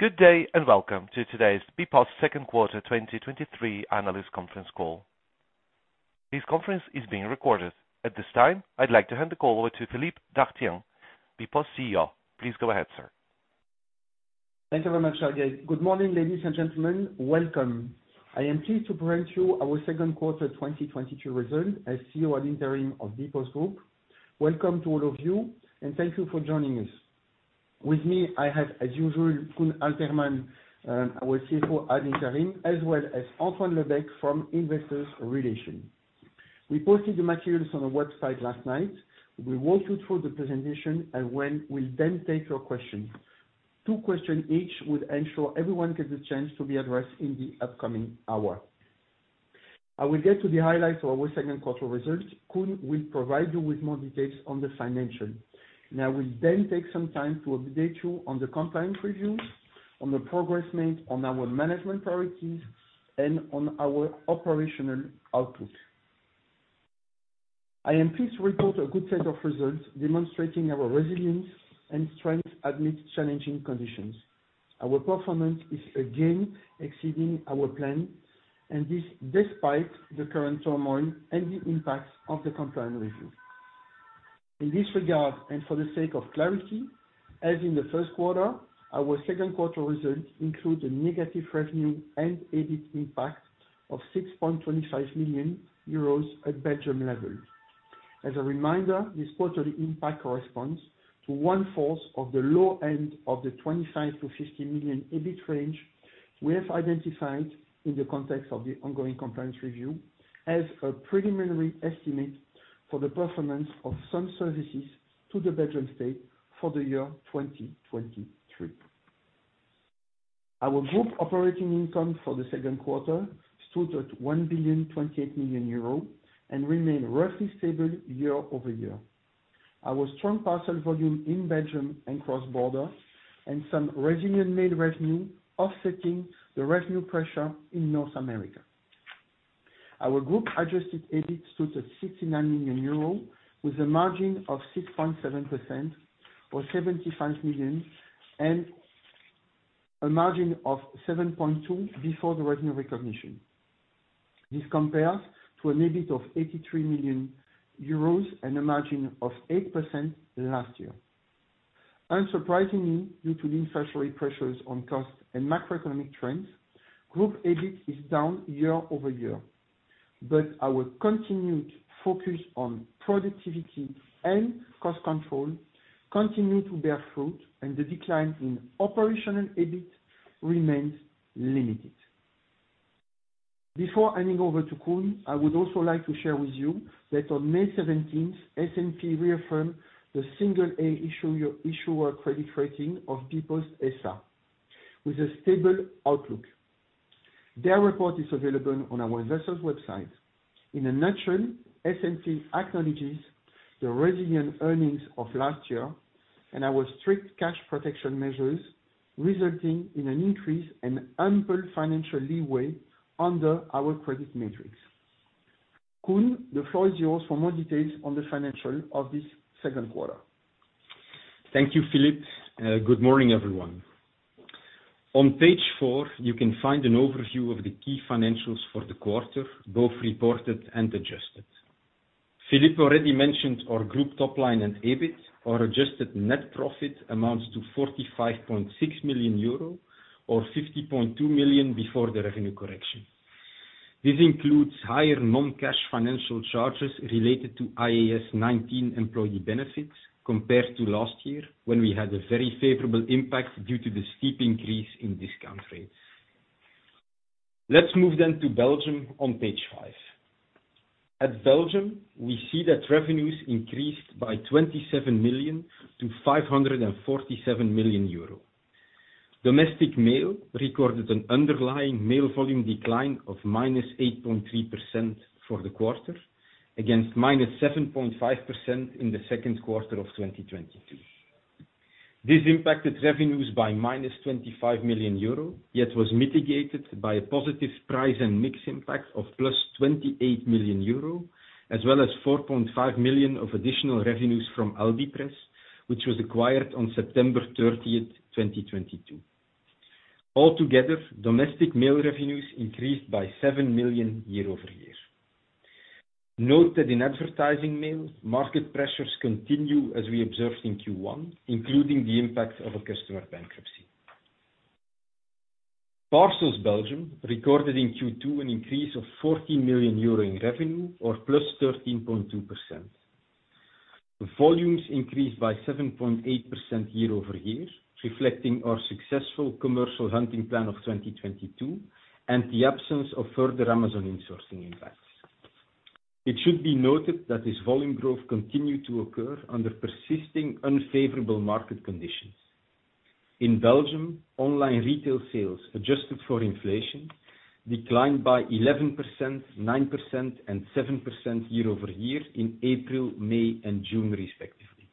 Good day, and welcome to today's bpost's Second Quarter 2023 Analyst Conference Call. This conference is being recorded. At this time, I'd like to hand the call over to Philippe Dartienne, bpost CEO. Please go ahead, sir. Thank you very much, Sergei. Good morning, ladies and gentlemen, welcome. I am pleased to bring you our Second Quarter 2023 Result as CEO ad interim of bpostgroup. Welcome to all of you, thank you for joining us. With me, I have, as usual, Koen Aelterman, our CFO ad interim, as well as Antoine Lebecq from Investor Relations. We posted the materials on the website last night. We'll walk you through the presentation, we'll then take your questions. Two questions each would ensure everyone gets a chance to be addressed in the upcoming hour. I will get to the highlights of our second quarter results. Koen will provide you with more details on the financial, I will then take some time to update you on the compliance review, on the progress made, on our management priorities, and on our operational output. I am pleased to report a good set of results demonstrating our resilience and strength amidst challenging conditions. Our performance is again exceeding our plan, and this despite the current turmoil and the impacts of the compliance review. In this regard, and for the sake of clarity, as in the first quarter, our second quarter results include a negative revenue and EBIT impact of 6.25 million euros at Belgian level. As a reminder, this quarterly impact corresponds to one-fourth of the low end of the 25 million-50 million EBIT range we have identified in the context of the ongoing compliance review as a preliminary estimate for the performance of some services to the Belgian state for the year 2023. Our group operating income for the second quarter stood at 1,028 million euro and remained roughly stable year-over-year. Our strong parcel volume in Belgium and cross-border, some resilient mail revenue offsetting the revenue pressure in North America. Our group adjusted EBIT stood at 69 million euro, with a margin of 6.7% or 75 million, and a margin of 7.2% before the revenue recognition. This compares to an EBIT of 83 million euros and a margin of 8% last year. Unsurprisingly, due to the inflationary pressures on costs and macroeconomic trends, group EBIT is down year-over-year. Our continued focus on productivity and cost control continue to bear fruit, and the decline in operational EBIT remains limited. Before handing over to Koen, I would also like to share with you that on May 17th, S&P reaffirmed the single A issuer, issuer credit rating of bpost SR with a stable outlook. Their report is available on our investors' website. In a nutshell, S&P acknowledges the resilient earnings of last year and our strict cash protection measures, resulting in an increase in ample financial leeway under our credit metrics. Koen, the floor is yours for more details on the financial of this second quarter. Thank you, Philippe. Good morning, everyone. On page 4, you can find an overview of the key financials for the quarter, both reported and adjusted. Philippe already mentioned our Group top line and EBIT. Our adjusted net profit amounts to 45.6 million euro, or 50.2 million before the revenue correction. This includes higher non-cash financial charges related to IAS nineteen employee benefits, compared to last year, when we had a very favorable impact due to the steep increase in discount rates. Let's move to Belgium on page 5. At Belgium, we see that revenues increased by 27 million to 547 million euro. Domestic mail recorded an underlying mail volume decline of -8.3% for the quarter, against -7.5% in Q2 2022. This impacted revenues by -25 million euro, yet was mitigated by a positive price and mix impact of +28 million euro, as well as 4.5 million of additional revenues from AlbiPress, which was acquired on September 30, 2022. Altogether, domestic mail revenues increased by 7 million year-over-year. Noted in advertising mail, market pressures continue as we observed in Q1, including the impact of a customer bankruptcy. Parcels Belgium recorded in Q2 an increase of 40 million euro in revenue or +13.2%. Volumes increased by 7.8% year-over-year, reflecting our successful commercial hunting plan of 2022, and the absence of further Amazon insourcing impacts. It should be noted that this volume growth continued to occur under persisting unfavorable market conditions. In Belgium, online retail sales, adjusted for inflation, declined by 11%, 9%, and 7% year-over-year in April, May, and June, respectively.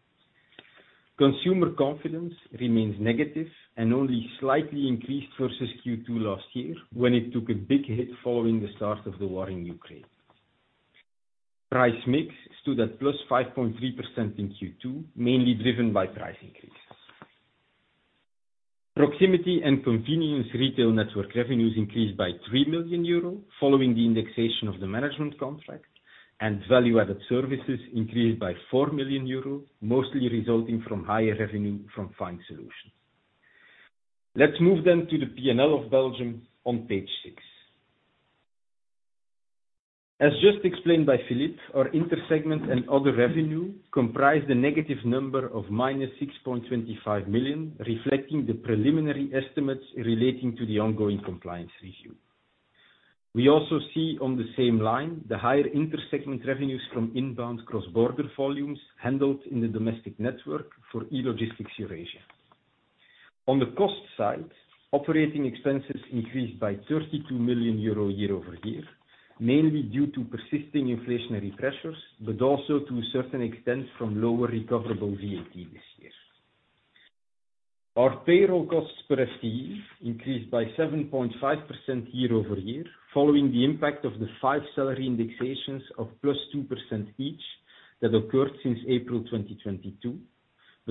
Consumer confidence remains negative and only slightly increased versus Q2 last year, when it took a big hit following the start of the war in Ukraine. Price mix stood at +5.3% in Q2, mainly driven by price increases. Proximity and convenience retail network revenues increased by 3 million euros, following the indexation of the management contract, and value-added services increased by 4 million euros, mostly resulting from higher revenue from find solutions. Let's move to the P&L of Belgium on Page 6. As just explained by Philippe, our inter-segment and other revenue comprised a negative number of -6.25 million, reflecting the preliminary estimates relating to the ongoing compliance review. We also see on the same line, the higher inter-segment revenues from inbound cross-border volumes handled in the domestic network for e-logistics Eurasia. On the cost side, operating expenses increased by 32 million euro year-over-year, mainly due to persisting inflationary pressures, also to a certain extent, from lower recoverable VAT this year. Our payroll costs per FTE increased by 7.5% year-over-year, following the impact of the five salary indexations of +2% each, that occurred since April 2022.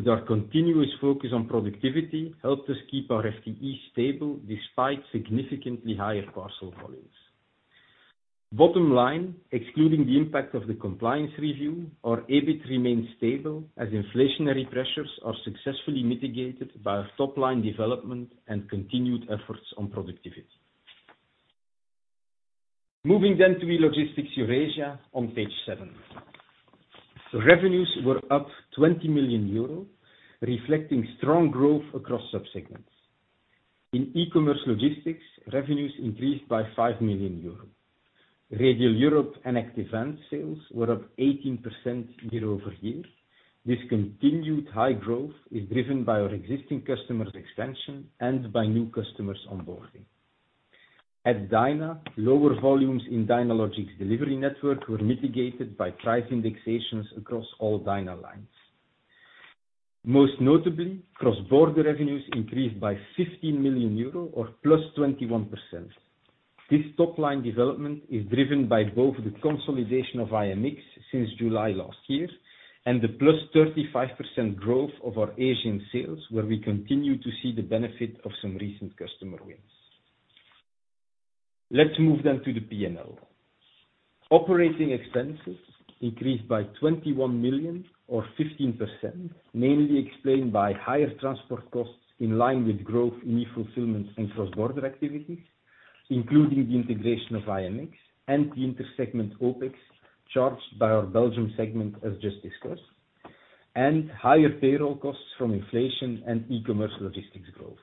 Our continuous focus on productivity helped us keep our FTE stable, despite significantly higher parcel volumes. Bottom line, excluding the impact of the compliance review, our EBIT remains stable as inflationary pressures are successfully mitigated by our top-line development and continued efforts on productivity. Moving to e-logistics Eurasia on Page 7. Revenues were up 20 million euro, reflecting strong growth across sub-segments. In e-commerce logistics, revenues increased by 5 million euros. Radial Europe and Active Ant sales were up 18% year-over-year. This continued high growth is driven by our existing customers' expansion and by new customers onboarding. At Dyna, lower volumes in Dynalogic's delivery network were mitigated by price indexations across all Dyna lines. Most notably, cross-border revenues increased by 15 million euro or +21%. This top-line development is driven by both the consolidation of IMX since July last year and the +35% growth of our Asian sales, where we continue to see the benefit of some recent customer wins. Let's move to the P&L. Operating expenses increased by 21 million or 15%, mainly explained by higher transport costs in line with growth in e-fulfillment and cross-border activities, including the integration of IMX and the inter-segment OpEx, charged by our Belgium segment, as just discussed, and higher payroll costs from inflation and e-commerce logistics growth.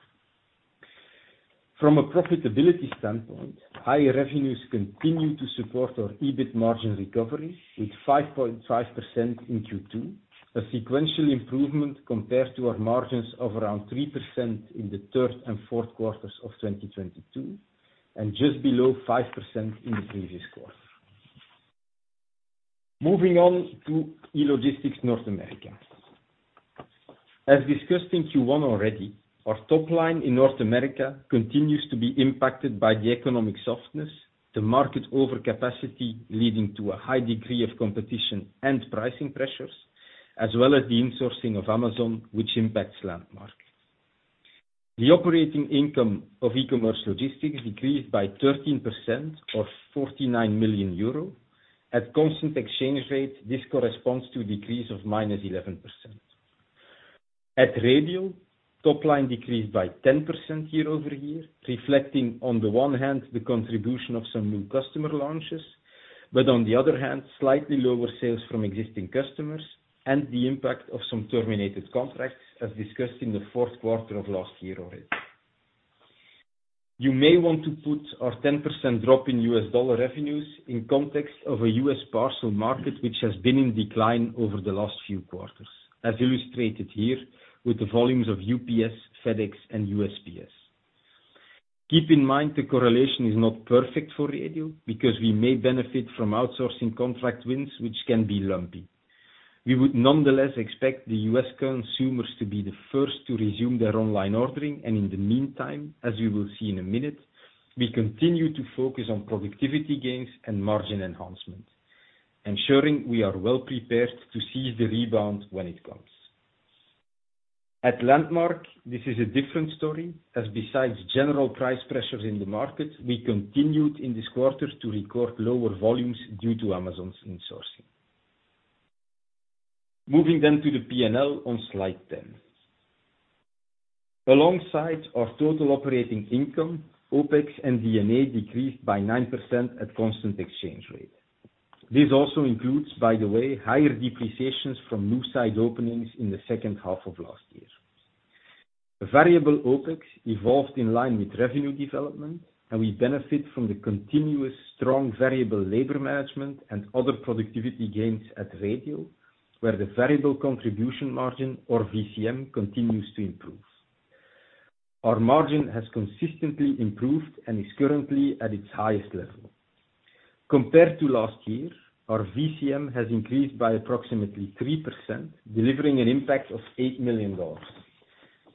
From a profitability standpoint, higher revenues continue to support our EBIT margin recovery with 5.5% in Q2, a sequential improvement compared to our margins of around 3% in the third and fouth quarters of 2022, and just below 5% in the previous quarter. Moving on to e-logistics North America. As discussed in Q1 already, our top line in North America continues to be impacted by the economic softness, the market overcapacity, leading to a high degree of competition and pricing pressures, as well as the insourcing of Amazon, which impacts Landmark. The operating income of e-commerce logistics decreased by 13% or 49 million euro. At constant exchange rate, this corresponds to a decrease of -11%. At Radial, top line decreased by 10% year-over-year, reflecting, on the one hand, the contribution of some new customer launches, but on the other hand, slightly lower sales from existing customers and the impact of some terminated contracts, as discussed in the fourth quarter of last year already. You may want to put our 10% drop in U.S. dollar revenues in context of a U.S. parcel market, which has been in decline over the last few quarters, as illustrated here with the volumes of UPS, FedEx, and USPS. Keep in mind, the correlation is not perfect for Radial because we may benefit from outsourcing contract wins, which can be lumpy. We would nonetheless expect the U.S. consumers to be the first to resume their online ordering, in the meantime, as you will see in a minute, we continue to focus on productivity gains and margin enhancement, ensuring we are well-prepared to seize the rebound when it comes. At Landmark, this is a different story, as besides general price pressures in the market, we continued in this quarter to record lower volumes due to Amazon's insourcing. Moving to the P&L on slide 10. Alongside our total operating income, OPEX and D&A decreased by 9% at constant exchange rate. This also includes, by the way, higher depreciations from new site openings in the second half of last year. The variable OpEx evolved in line with revenue development. We benefit from the continuous strong variable labor management and other productivity gains at Radial, where the variable contribution margin or VCM continues to improve. Our margin has consistently improved and is currently at its highest level. Compared to last year, our VCM has increased by approximately 3%, delivering an impact of $8 million.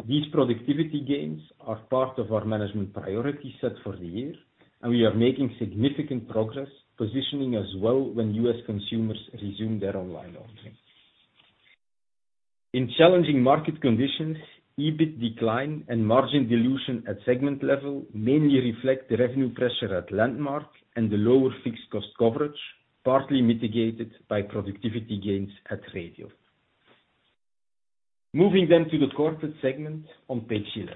These productivity gains are part of our management priority set for the year, and we are making significant progress positioning as well when U.S. consumers resume their online ordering. In challenging market conditions, EBIT decline and margin dilution at segment level mainly reflect the revenue pressure at Landmark and the lower fixed cost coverage, partly mitigated by productivity gains at Radial. Moving to the corporate segment on page 11.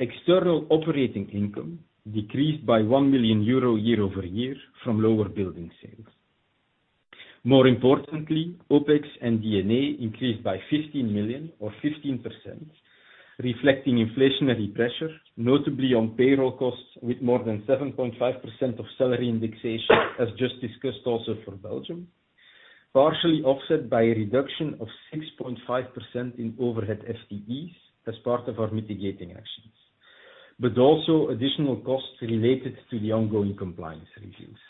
External operating income decreased by 1 million euro year-over-year from lower building sales. More importantly, OpEx and DNA increased by 15 million or 15%, reflecting inflationary pressure, notably on payroll costs, with more than 7.5% of salary indexation, as just discussed also for Belgium, partially offset by a reduction of 6.5% in overhead FTEs as part of our mitigating actions, but also additional costs related to the ongoing compliance reviews.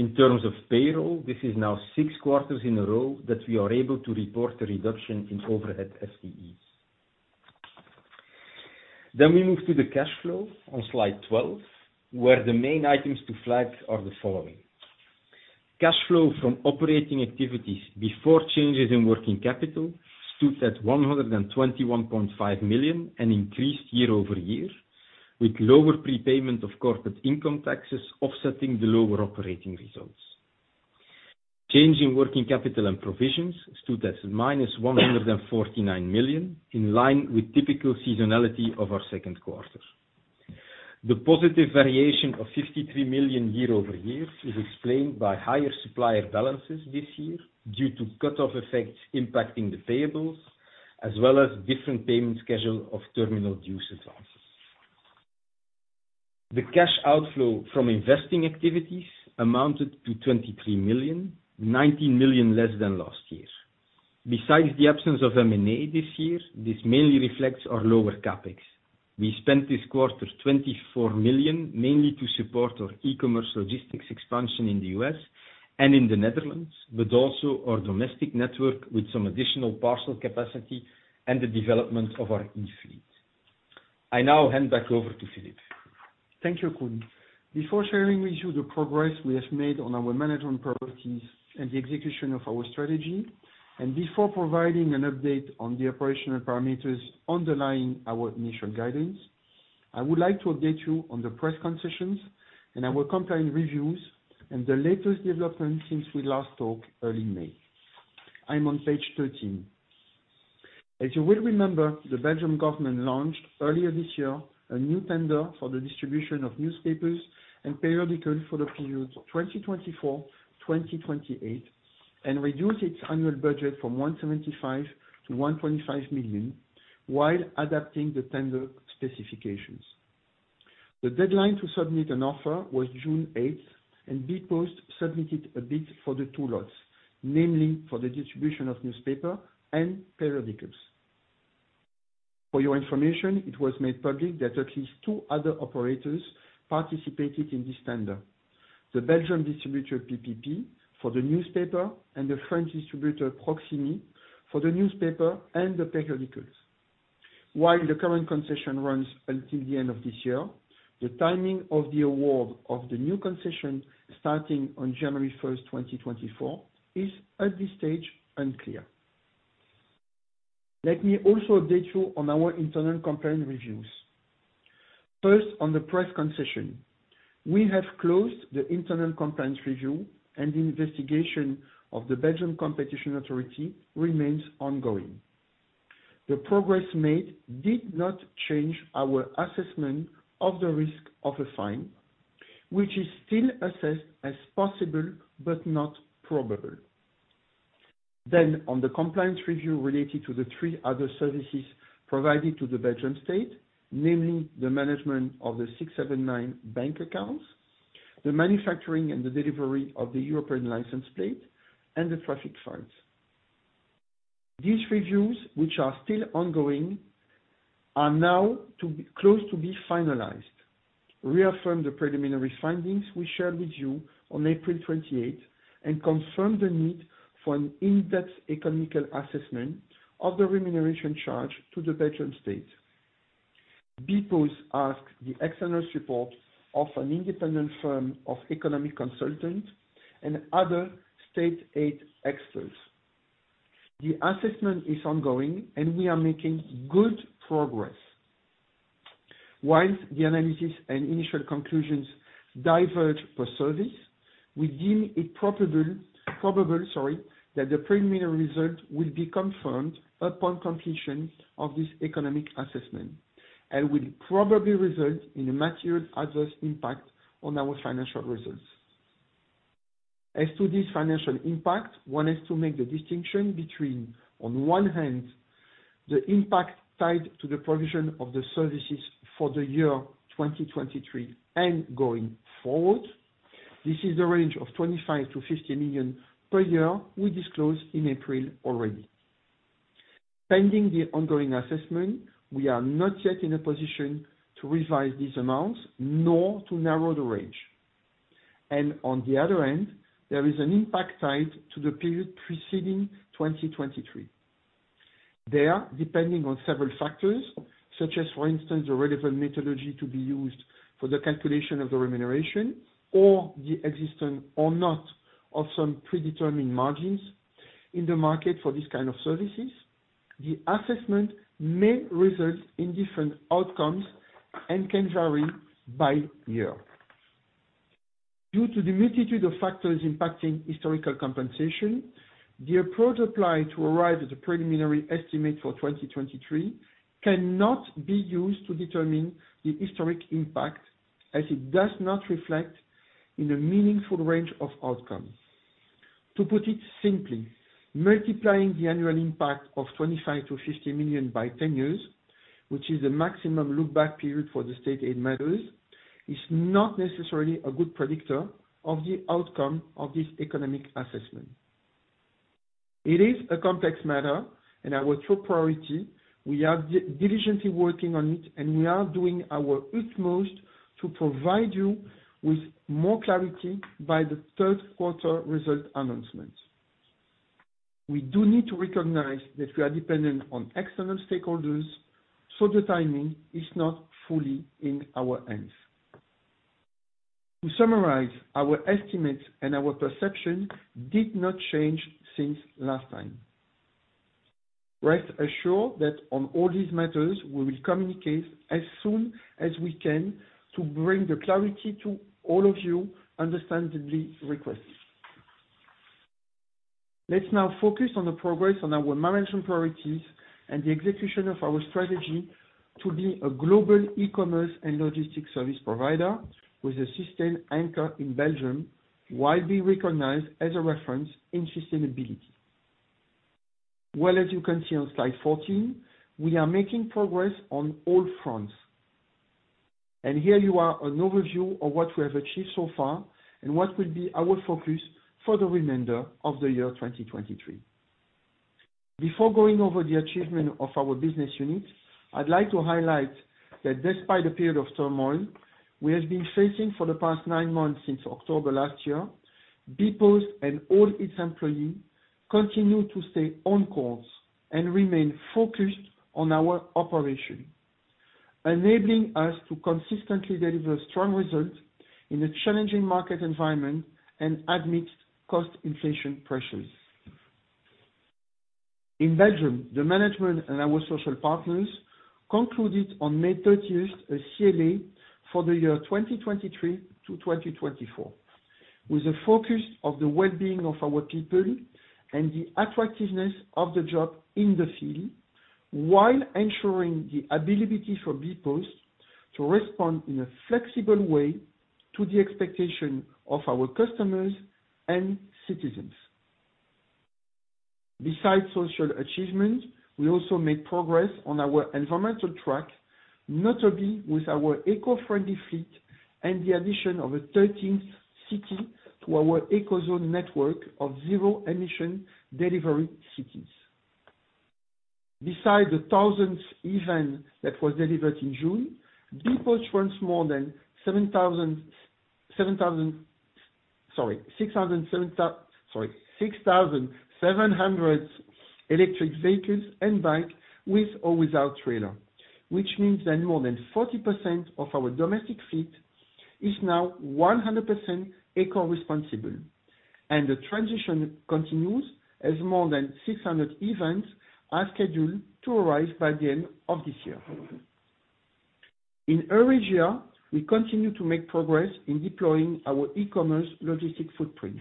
In terms of payroll, this is now six quarters in a row that we are able to report a reduction in overhead FTEs. We move to the cash flow on Slide 12, where the main items to flag are the following: Cash flow from operating activities before changes in working capital stood at 121.5 million and increased year-over-year, with lower prepayment of corporate income taxes offsetting the lower operating results. Change in working capital and provisions stood at minus 149 million, in line with typical seasonality of our second quarter. The positive variation of 53 million year-over-year is explained by higher supplier balances this year, due to cut-off effects impacting the payables, as well as different payment schedule of terminal due advances. The cash outflow from investing activities amounted to 23 million, 19 million less than last year. Besides the absence of M&A this year, this mainly reflects our lower CapEx. We spent this quarter 24 million, mainly to support our e-commerce logistics expansion in the U.S. and in the Netherlands, but also our domestic network, with some additional parcel capacity and the development of our E fleet. I now hand back over to Philippe. Thank you, Koen. Before sharing with you the progress we have made on our management priorities and the execution of our strategy, before providing an update on the operational parameters underlying our initial guidance, I would like to update you on the press concessions, and I will contain reviews and the latest developments since we last talked early May. I'm on page 13. As you will remember, the Belgium government launched earlier this year a new tender for the distribution of newspapers and periodicals for the period 2024, 2028, reduced its annual budget from 175 million to 125 million, while adapting the tender specifications. The deadline to submit an offer was June eighth, bpost submitted a bid for the two lots, namely for the distribution of newspapers and periodicals. For your information, it was made public that at least two other operators participated in this tender: the Belgium distributor, PPP, for the newspaper, and the French distributor, Proximy, for the newspaper and the periodicals. While the current concession runs until the end of this year, the timing of the award of the new concession, starting on January first, 2024, is at this stage unclear. Let me also update you on our internal compliance reviews. First, on the press concession, we have closed the internal compliance review. The investigation of the Belgium Competition Authority remains ongoing. The progress made did not change our assessment of the risk of a fine, which is still assessed as possible, but not probable. On the compliance review related to the three other services provided to the Belgium state, namely the management of the 679 bank accounts, the manufacturing and the delivery of the European license plate, and the traffic fines. These reviews, which are still ongoing, are now close to be finalized, reaffirm the preliminary findings we shared with you on April 28, and confirm the need for an in-depth economical assessment of the remuneration charge to the Belgium state. bpost asked the external support of an independent firm of economic consultants and other state aid experts. The assessment is ongoing, and we are making good progress. While the analysis and initial conclusions diverge per service, we deem it probable that the preliminary result will be confirmed upon completion of this economic assessment and will probably result in a material adverse impact on our financial results. As to this financial impact, one is to make the distinction between, on one hand, the impact tied to the provision of the services for the year 2023 and going forward. This is the range of 25 million-50 million per year we disclose in April already. Pending the ongoing assessment, we are not yet in a position to revise these amounts nor to narrow the range. On the other end, there is an impact tied to the period preceding 2023. There, depending on several factors, such as, for instance, the relevant methodology to be used for the calculation of the remuneration, or the existence or not of some predetermined margins in the market for these kind of services, the assessment may result in different outcomes and can vary by year. Due to the multitude of factors impacting historical compensation, the approach applied to arrive at a preliminary estimate for 2023 cannot be used to determine the historic impact, as it does not reflect in a meaningful range of outcomes. To put it simply, multiplying the annual impact of 25 million-50 million by 10 years, which is the maximum look-back period for the state aid matters, is not necessarily a good predictor of the outcome of this economic assessment. It is a complex matter and our top priority. We are diligently working on it, and we are doing our utmost to provide you with more clarity by the third quarter result announcement. We do need to recognize that we are dependent on external stakeholders, so the timing is not fully in our hands. To summarize, our estimates and our perception did not change since last time. Rest assured that on all these matters, we will communicate as soon as we can to bring the clarity to all of you understandably request. Let's now focus on the progress on our management priorities and the execution of our strategy to be a global e-commerce and logistics service provider with a sustained anchor in Belgium, widely recognized as a reference in sustainability. Well, as you can see on slide 14, we are making progress on all fronts, and here you are an overview of what we have achieved so far and what will be our focus for the remainder of the year 2023. Before going over the achievement of our business unit, I'd like to highlight that despite the period of turmoil we have been facing for the past 9 months, since October last year, bpost and all its employees continue to stay on course and remain focused on our operation, enabling us to consistently deliver strong results in a challenging market environment and amidst cost inflation pressures. In Belgium, the management and our social partners concluded on May 30th, a CLA for the year 2023 to 2024, with a focus of the well-being of our people and the attractiveness of the job in the field, while ensuring the ability for bpost to respond in a flexible way to the expectation of our customers and citizens. Besides social achievement, we also made progress on our environmental track, notably with our eco-friendly fleet and the addition of a 13th city to our Ecozone network of zero-emission delivery cities. Besides the 1,000th event that was delivered in June, bpost runs more than 6,700 electric vehicles and bike, with or without trailer. Which means that more than 40% of our domestic fleet is now 100% eco-responsible, and the transition continues as more than 600 events are scheduled to arrive by the end of this year. In Eurasia, we continue to make progress in deploying our e-commerce logistics footprint,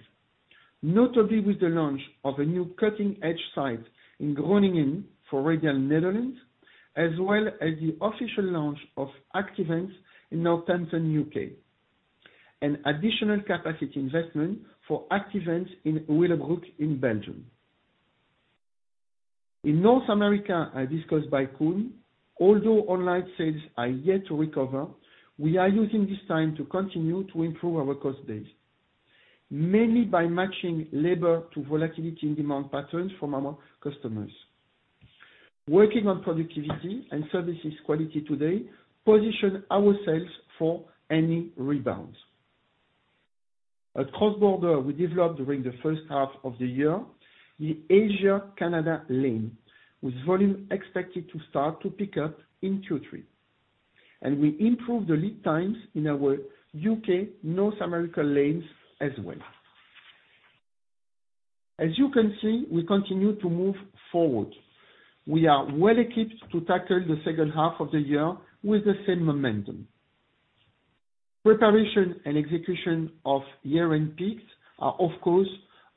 notably with the launch of a new cutting-edge site in Groningen for Radial Netherlands, as well as the official launch of Active Ant in Northampton, U.K. An additional capacity investment for Active Ant in Willebroek, in Belgium. In North America, as discussed by Koen, although online sales are yet to recover, we are using this time to continue to improve our cost base, mainly by matching labor to volatility in demand patterns from our customers. Working on productivity and services quality today, position ourselves for any rebounds. At cross-border, we developed during the first half of the year, the Asia-Canada lane, with volume expected to start to pick up in Q3, and we improved the lead times in our U.K., North America lanes as well. As you can see, we continue to move forward. We are well equipped to tackle the second half of the year with the same momentum. Preparation and execution of year-end peaks are, of course,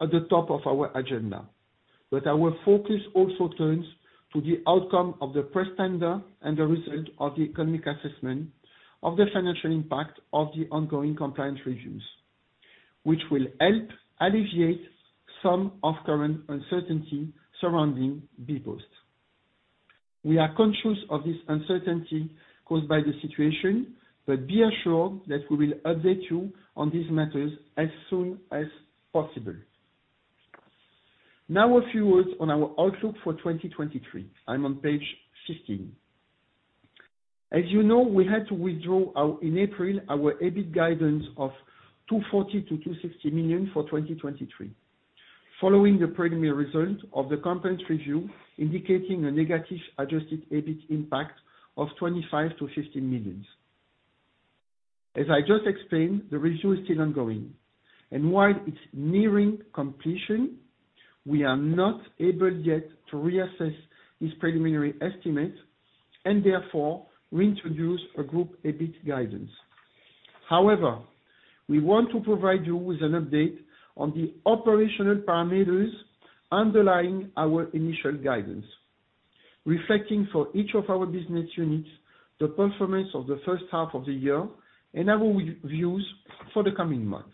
at the top of our agenda, our focus also turns to the outcome of the press tender and the result of the economic assessment of the financial impact of the ongoing compliance regimes, which will help alleviate some of current uncertainty surrounding bpost. We are conscious of this uncertainty caused by the situation, be assured that we will update you on these matters as soon as possible. A few words on our outlook for 2023. I'm on Page 15. As you know, we had to withdraw our, in April, our EBIT guidance of 240 million-260 million for 2023. Following the preliminary result of the conference review, indicating a negative adjusted EBIT impact of 25 million-15 million. As I just explained, the review is still ongoing, and while it's nearing completion, we are not able yet to reassess this preliminary estimate, and therefore reintroduce a Group EBIT guidance. However, we want to provide you with an update on the operational parameters underlying our initial guidance, reflecting for each of our business units, the performance of the first half of the year and our views for the coming months.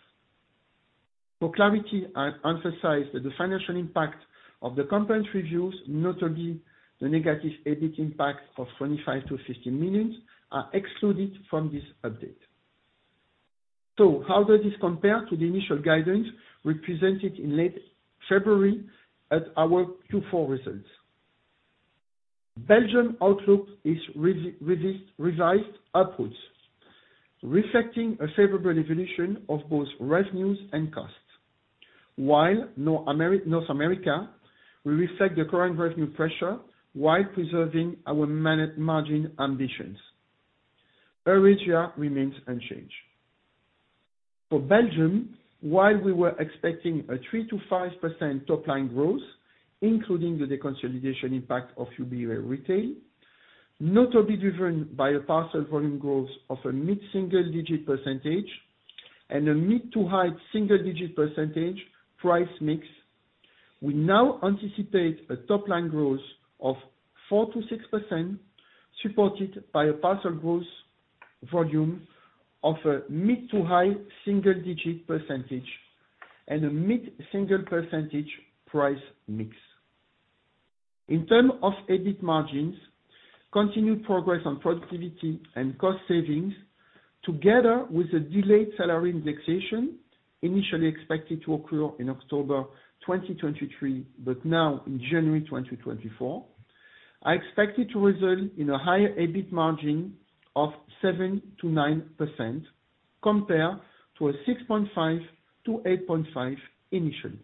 For clarity, I emphasize that the financial impact of the conference reviews, notably the negative EBIT impact of 25 million-15 million, are excluded from this update. How does this compare to the initial guidance we presented in late February at our Q4 results? Belgium outlook is revised upwards, reflecting a favorable evolution of both revenues and costs. While North America, we reflect the current revenue pressure, while preserving our margin ambitions. Eurasia remains unchanged. For Belgium, while we were expecting a 3%-5% top line growth, including the deconsolidation impact of bpost Retail, notably driven by a parcel volume growth of a mid-single digit % and a mid to high single digit % price mix. We now anticipate a top line growth of 4%-6% supported by a parcel growth volume of a mid to high single digit % and a mid-single % price mix. In terms of EBIT margins, continued progress on productivity and cost savings, together with a delayed salary indexation, initially expected to occur in October 2023, but now in January 2024, are expected to result in a higher EBIT margin of 7%-9% compared to a 6.5%-8.5% initially.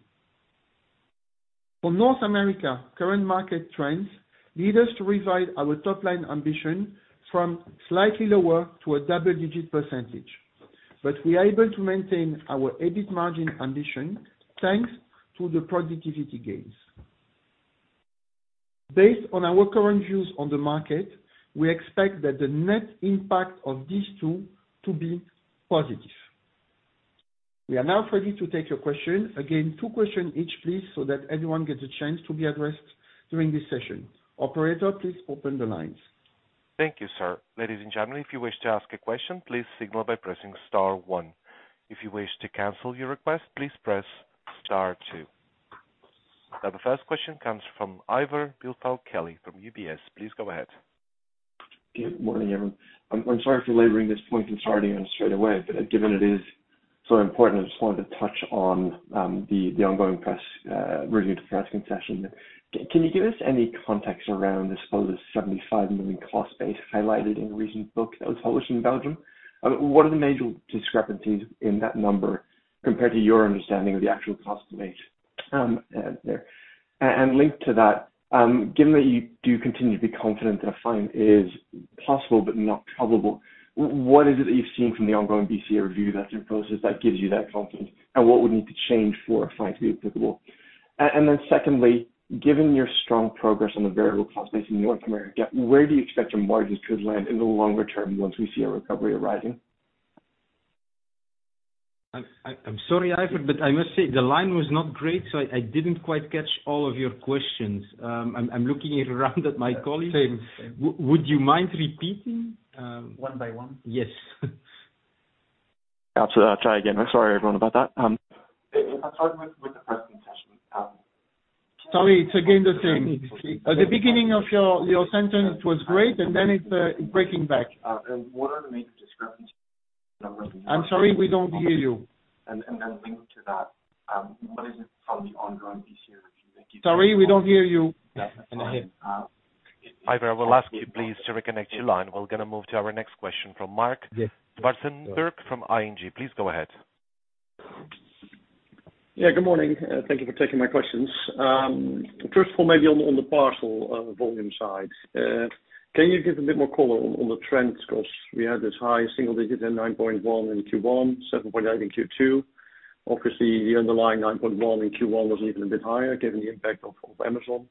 For North America, current market trends lead us to revise our top line ambition from slightly lower to a double-digit percentage. We are able to maintain our EBIT margin ambition, thanks to the productivity gains. Based on our current views on the market, we expect that the net impact of these two to be positive. We are now ready to take your question. Again, two question each, please, so that everyone gets a chance to be addressed during this session. Operator, please open the lines. Thank you, sir. Ladies and gentlemen, if you wish to ask a question, please signal by pressing star one. If you wish to cancel your request, please press star two. Now the first question comes from Ivar Billfalk-Kelly from UBS. Please go ahead. Good morning, everyone. I'm sorry for laboring this point and starting on straight away, but given it is so important, I just wanted to touch on the ongoing press review to press concession. Can you give us any context around this supposed 75 million cost base highlighted in a recent book that was published in Belgium? What are the major discrepancies in that number compared to your understanding of the actual cost base there? Linked to that, given that you do continue to be confident that a fine is possible, but not probable, what is it that you've seen from the ongoing BCR review that's in process that gives you that confidence? What would need to change for a fine to be applicable? then secondly, given your strong progress on the variable cost base in North America, where do you expect your margins to land in the longer term once we see a recovery arising? I'm sorry, Ivor, I must say the line was not great, I didn't quite catch all of your questions. I'm looking it around at my colleagues. Same. Would you mind repeating? One by one? Yes. I'll, try again. I'm sorry, everyone, about that. If I start with, with the first session. Sorry, it's again, the same. At the beginning of your, your sentence was great, and then it, breaking back. What are the major discrepancies? I'm sorry, we don't hear you. linked to that, what is it from the ongoing BCR review- Sorry, we don't hear you. Ivor, I will ask you please to reconnect your line. We're gonna move to our next question from Marc- Yes. Zwartsenberg from ING. Please go ahead. Yeah, good morning. Thank you for taking my questions. First of all, maybe on the, on the parcel, volume side, can you give a bit more color on, on the trends? 'Cause we had this high single digit and 9.1 in Q1, 7.8 in Q2. Obviously, the underlying 9.1 in Q1 was even a bit higher, given the impact of, of Amazon.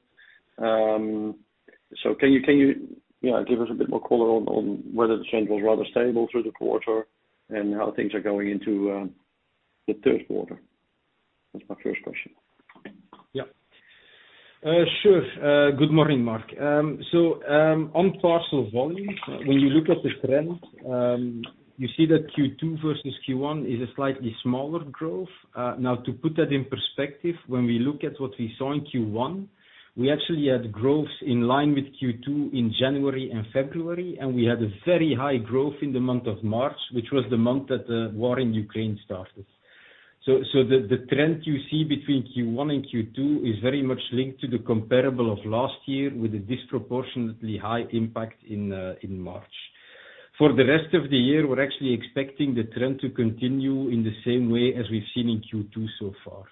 Can you, can you, yeah, give us a bit more color on, on whether the trend was rather stable through the quarter, and how things are going into, the third quarter? That's my first question. Yeah, sure. Good morning, Mark. So, on parcel volume, when you look at the trend, you see that Q2 versus Q1 is a slightly smaller growth. Now, to put that in perspective, when we look at what we saw in Q1, we actually had growth in line with Q2 in January and February, and we had a very high growth in the month of March, which was the month that the war in Ukraine started. The trend you see between Q1 and Q2 is very much linked to the comparable of last year, with a disproportionately high impact in March. For the rest of the year, we're actually expecting the trend to continue in the same way as we've seen in Q2 so far.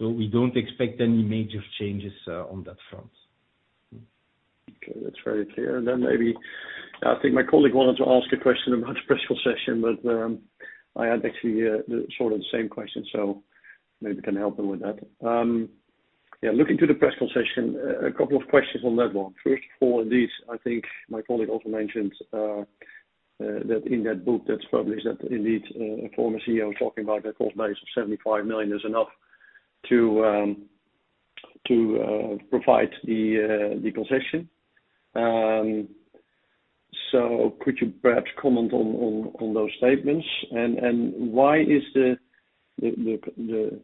We don't expect any major changes on that front. Okay, that's very clear. Then maybe, I think my colleague wanted to ask a question about press concession, but I had actually sort of the same question, so maybe you can help him with that. Looking to the press concession, a couple of questions on that one. First of all, these, I think my colleague also mentioned that in that book that's published, that indeed, a former CEO talking about a cost base of 75 million is enough to provide the concession. So could you perhaps comment on, on, on those statements? Why is the, the, the, the,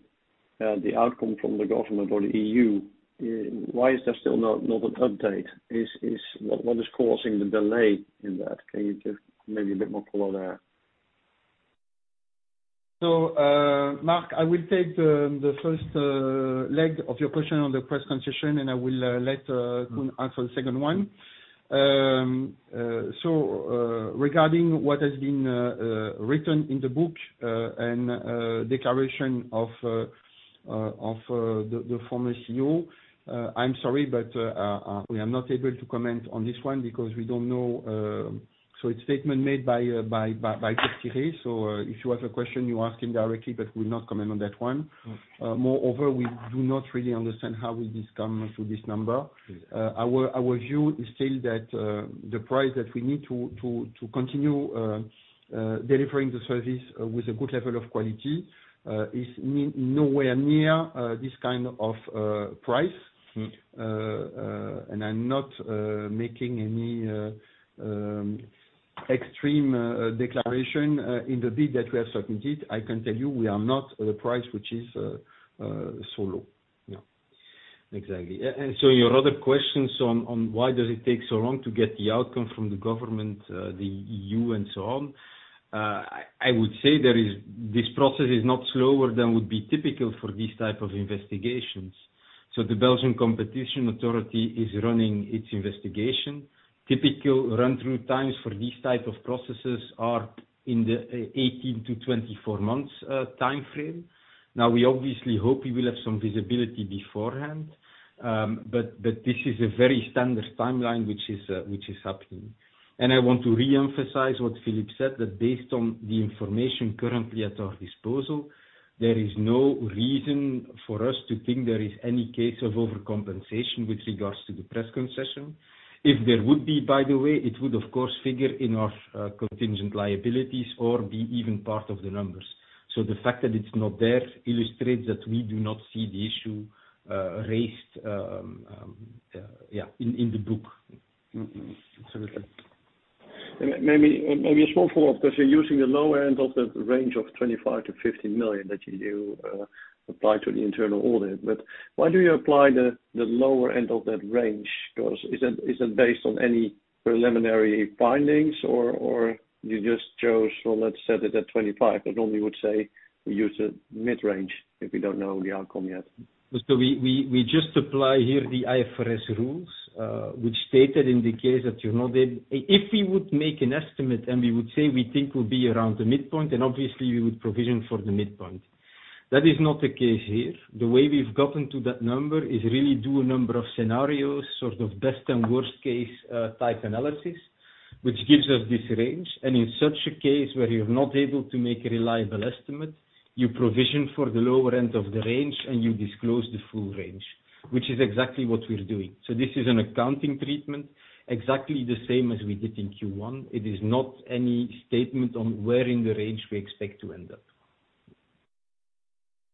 the outcome from the government or the EU, why is there still not, not an update? What is causing the delay in that? Can you give maybe a bit more color there? Mark, I will take the first leg of your question on the press concession, and I will let Koen answer the second one. Regarding what has been written in the book, and declaration of the former CEO, I'm sorry, but we are not able to comment on this one because we don't know. It's statement made by by by by Jean. If you have a question, you ask him directly, but we'll not comment on that one. Mm. Moreover, we do not really understand how will this come to this number. Yes. ill that the price that we need to continue delivering the service with a good level of quality is nowhere near this kind of price. Mm. I'm not making any extreme declaration in the bid that we have submitted. I can tell you we are not at a price which is so low. Yeah, exactly. Your other questions on, on why does it take so long to get the outcome from the government, the EU, and so on, I would say there is. This process is not slower than would be typical for these type of investigations. The Belgian Competition Authority is running its investigation. Typical run-through times for these type of processes are in the 18-24 months time frame. We obviously hope we will have some visibility beforehand, but this is a very standard timeline which is happening. I want to reemphasize what Philippe said, that based on the information currently at our disposal, there is no reason for us to think there is any case of overcompensation with regards to the press concession. If there would be, by the way, it would, of course, figure in our contingent liabilities or be even part of the numbers. The fact that it's not there illustrates that we do not see the issue raised in the book. Mm-hmm. Absolutely. Maybe, maybe a small follow-up, because you're using the lower end of the range of 25 million-50 million that you, you applied to the internal audit. Why do you apply the, the lower end of that range? Is that, is that based on any preliminary findings, or, or you just chose, well, let's set it at 25? Normally would say we use a mid-range if you don't know the outcome yet. We, we, we just apply here the IFRS rules, which stated in the case that you're not then. If we would make an estimate, and we would say we think we'll be around the midpoint, then obviously we would provision for the midpoint. That is not the case here. The way we've gotten to that number is really do a number of scenarios, sort of best and worst case, type analysis, which gives us this range. In such a case where you're not able to make a reliable estimate, you provision for the lower end of the range, and you disclose the full range, which is exactly what we're doing. This is an accounting treatment, exactly the same as we did in Q1. It is not any statement on where in the range we expect to end up.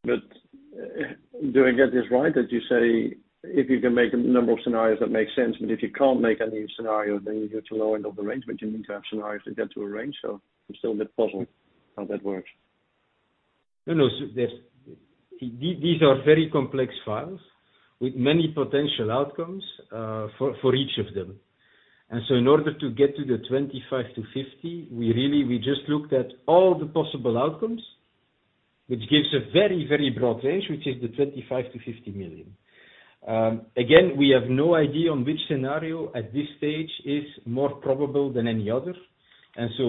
Do I get this right, that you say, if you can make a number of scenarios, that makes sense, but if you can't make any scenario, then you get to lower end of the range? You need to have scenarios to get to a range, so I'm still a bit puzzled how that works. No, no, there's these are very complex files with many potential outcomes, for, for each of them. In order to get to the 25 million-50 million, we really, we just looked at all the possible outcomes, which gives a very, very broad range, which is the 25 million-50 million. Again, we have no idea on which scenario at this stage is more probable than any other,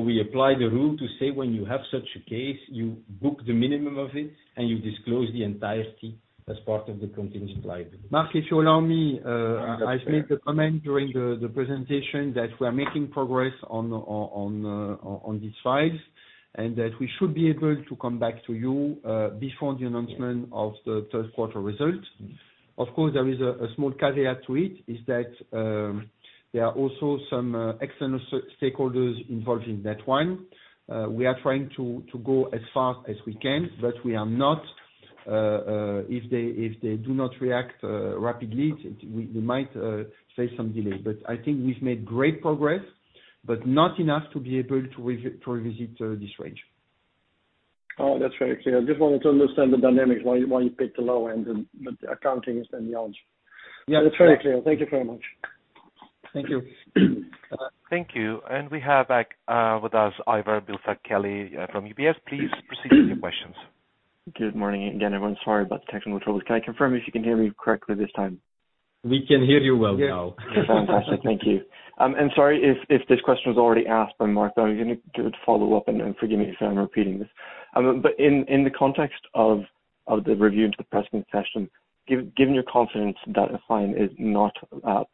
we apply the rule to say when you have such a case, you book the minimum of it, and you disclose the entirety as part of the contingent liability. Mark, if you allow me, Yeah. I've made a comment during the presentation that we are making progress on these files, and that we should be able to come back to you before the announcement- Yeah... of the third quarter results. Of course, there is a small caveat to it, is that there are also some external stakeholders involved in that one. We are trying to go as fast as we can, but we are not, if they, if they do not react rapidly, we might face some delay. I think we've made great progress, but not enough to be able to revisit this range. Oh, that's very clear. I just wanted to understand the dynamics why you, why you picked the low end, and, but accounting is then the answer. Yeah. That's very clear. Thank you very much. Thank you. Thank you. We have back, with us Ivar Billfalk-Kelly, from UBS. Please proceed with your questions. Good morning again, everyone. Sorry about the technical troubles. Can I confirm if you can hear me correctly this time? We can hear you well now. Fantastic. Thank you. Sorry if, if this question was already asked by Mark, but I'm gonna do a follow-up, and, and forgive me if I'm repeating this. In, in the context of, of the review into the press concession, given your confidence that a fine is not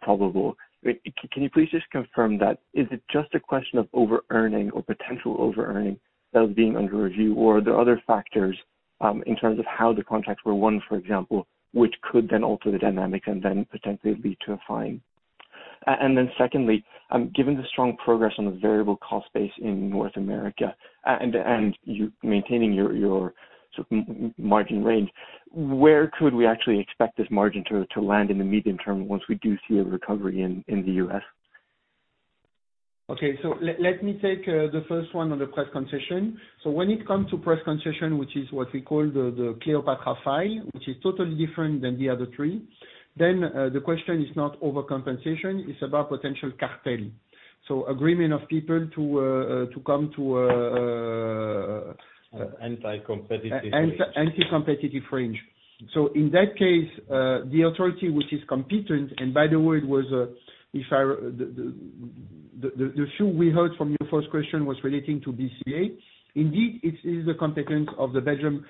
probable, can you please just confirm that, is it just a question of overearning or potential overearning that is being under review, or are there other factors in terms of how the contracts were won, for example, which could then alter the dynamic and then potentially lead to a fine? Then secondly, given the strong progress on the variable cost base in North America, and, and you maintaining your, your sort of margin range, where could we actually expect this margin to land in the medium term once we do see a recovery in the US? Okay. Let me take the first one on the press concession. When it comes to press concession, which is what we call the, the Cleopatra file, which is totally different than the other three, then, the question is not overcompensation, it's about potential cartel. Agreement of people to come to. Anti-competitive range. anti-competitive range. In that case, the authority, which is competent, and by the way, it was, if I the issue we heard from your first question was relating to BCA. Indeed, it is the competence of the Belgium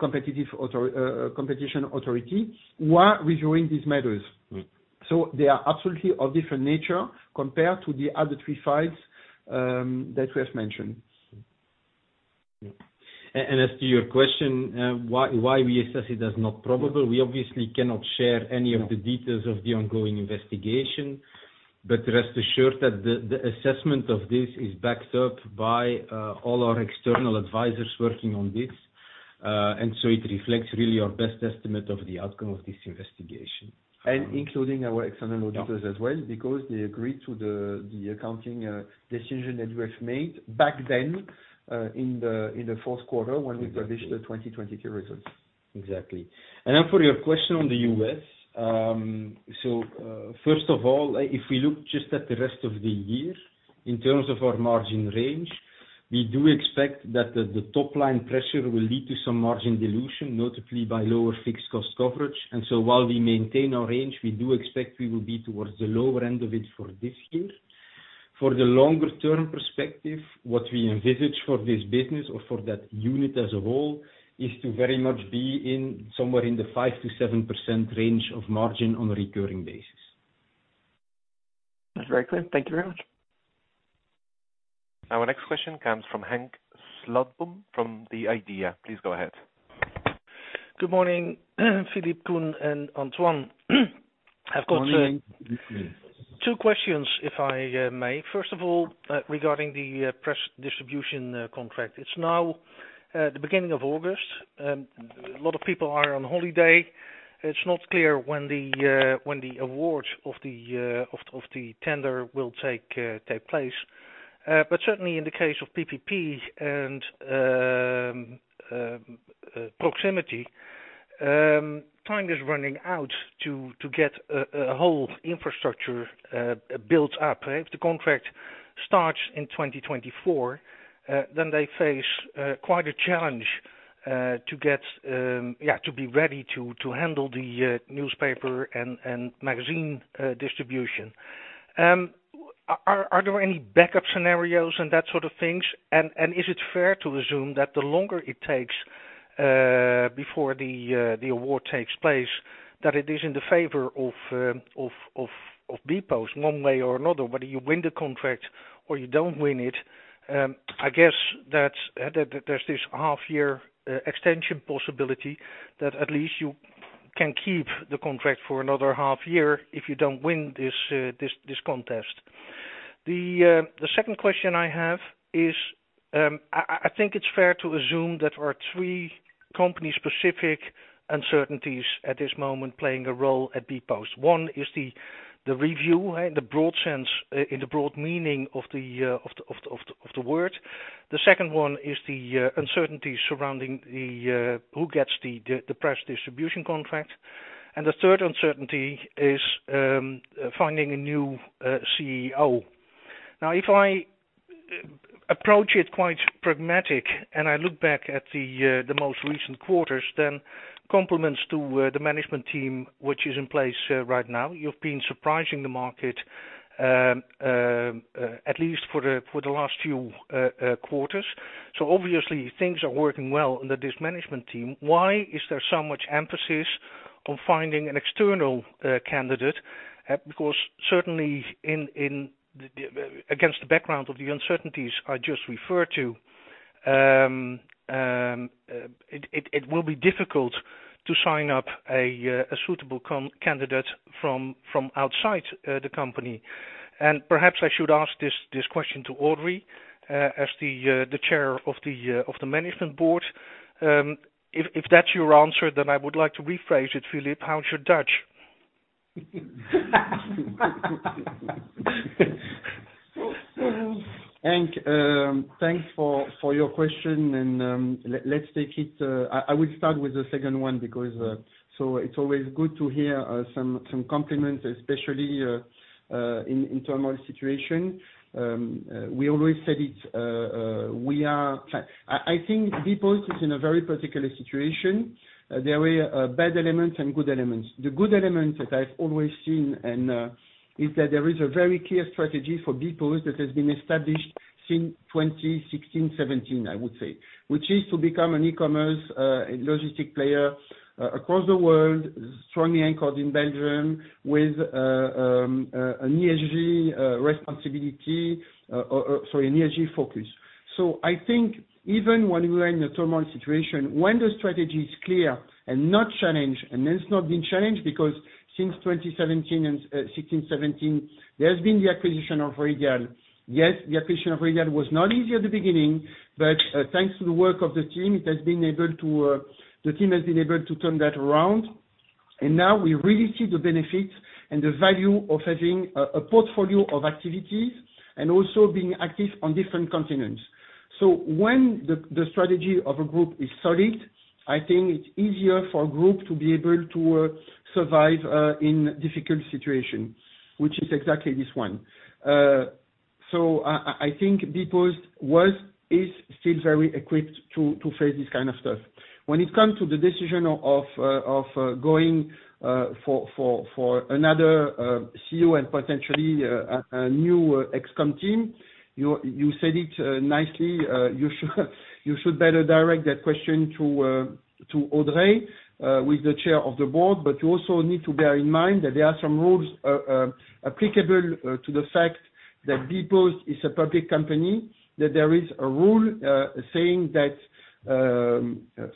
competitive competition authority, who are reviewing these matters. Mm. They are absolutely of different nature compared to the other three files, that we have mentioned. As to your question, why, why we assess it as not probable, we obviously cannot share any of the details of the ongoing investigation, but rest assured that the, the assessment of this is backed up by all our external advisors working on this. It reflects really our best estimate of the outcome of this investigation. including our external auditors as well. Yeah... because they agreed to the, the accounting decision that we have made back then, in the, in the fourth quarter when we published the 2020 key results. Exactly. Now for your question on the U.S. First of all, if we look just at the rest of the year, in terms of our margin range, we do expect that the, the top line pressure will lead to some margin dilution, notably by lower fixed cost coverage. While we maintain our range, we do expect we will be towards the lower end of it for this year. For the longer term perspective, what we envisage for this business or for that unit as a whole, is to very much be in somewhere in the 5%-7% range of margin on a recurring basis. That's very clear. Thank you very much. Our next question comes from Henk Slotboom, from the Idea. Please go ahead. Good morning, Philippe, Koen, and Antoine. Good morning. I've got two questions, if I may. First of all, regarding the press distribution contract. It's now the beginning of August, a lot of people are on holiday. It's not clear when the award of the tender will take place. Certainly in the case of PPP and proximity, time is running out to get a whole infrastructure built up. If the contract starts in 2024, then they face quite a challenge to get, yeah, to be ready to handle the newspaper and magazine distribution. Are there any backup scenarios and that sort of things? Is it fair to assume that the longer it takes before the award takes place, that it is in the favor of bpost one way or another, whether you win the contract or you don't win it, I guess that there's this half year extension possibility that at least you can keep the contract for another half year if you don't win this, this contest. The second question I have is, I think it's fair to assume that there are three company-specific uncertainties at this moment playing a role at bpost. One is the review, in the broad sense, in the broad meaning of the word. The second one is the uncertainty surrounding the who gets the the the press distribution contract. The third uncertainty is finding a new CEO. Now, if I approach it quite pragmatic, and I look back at the most recent quarters, then compliments to the management team, which is in place right now. You've been surprising the market at least for the for the last few quarters. Obviously, things are working well under this management team. Why is there so much emphasis on finding an external candidate? Certainly in in the against the background of the uncertainties I just referred to, it it it will be difficult to sign up a suitable candidate from from outside the company. Perhaps I should ask this, this question to Audrey, as the chair of the management board. If, if that's your answer, then I would like to rephrase it, Philippe. How's your Dutch? Hank, thanks for, for your question and, let's take it. I, I will start with the second one, because it's always good to hear some compliments, especially in turmoil situation. We always said it, we are I, I think bpost is in a very particular situation. There were bad elements and good elements. The good element that I've always seen, and is that there is a very clear strategy for bpost that has been established since 2016, 2017, I would say, which is to become an e-commerce logistic player across the world, strongly anchored in Belgium with an ESG responsibility, or, or, sorry, an ESG focus. I think even when we are in a turmoil situation, when the strategy is clear and not challenged, and it's not been challenged, because since 2017 and 2016, 2017, there has been the acquisition of Ritual. Yes, the acquisition of Ritual was not easy at the beginning, but thanks to the work of the team, it has been able to, the team has been able to turn that around. Now we really see the benefits and the value of having a, a portfolio of activities and also being active on different continents. When the, the strategy of a group is solid, I think it's easier for a group to be able to survive in difficult situation, which is exactly this one. I, I, I think bpost was, is still very equipped to, to face this kind of stuff. When it comes to the decision of of going for for for another CEO and potentially a a new ExCom team, you, you said it nicely, you should you should better direct that question to to Audrey with the chair of the board. You also need to bear in mind that there are some rules applicable to the fact that bpost is a public company, that there is a rule saying that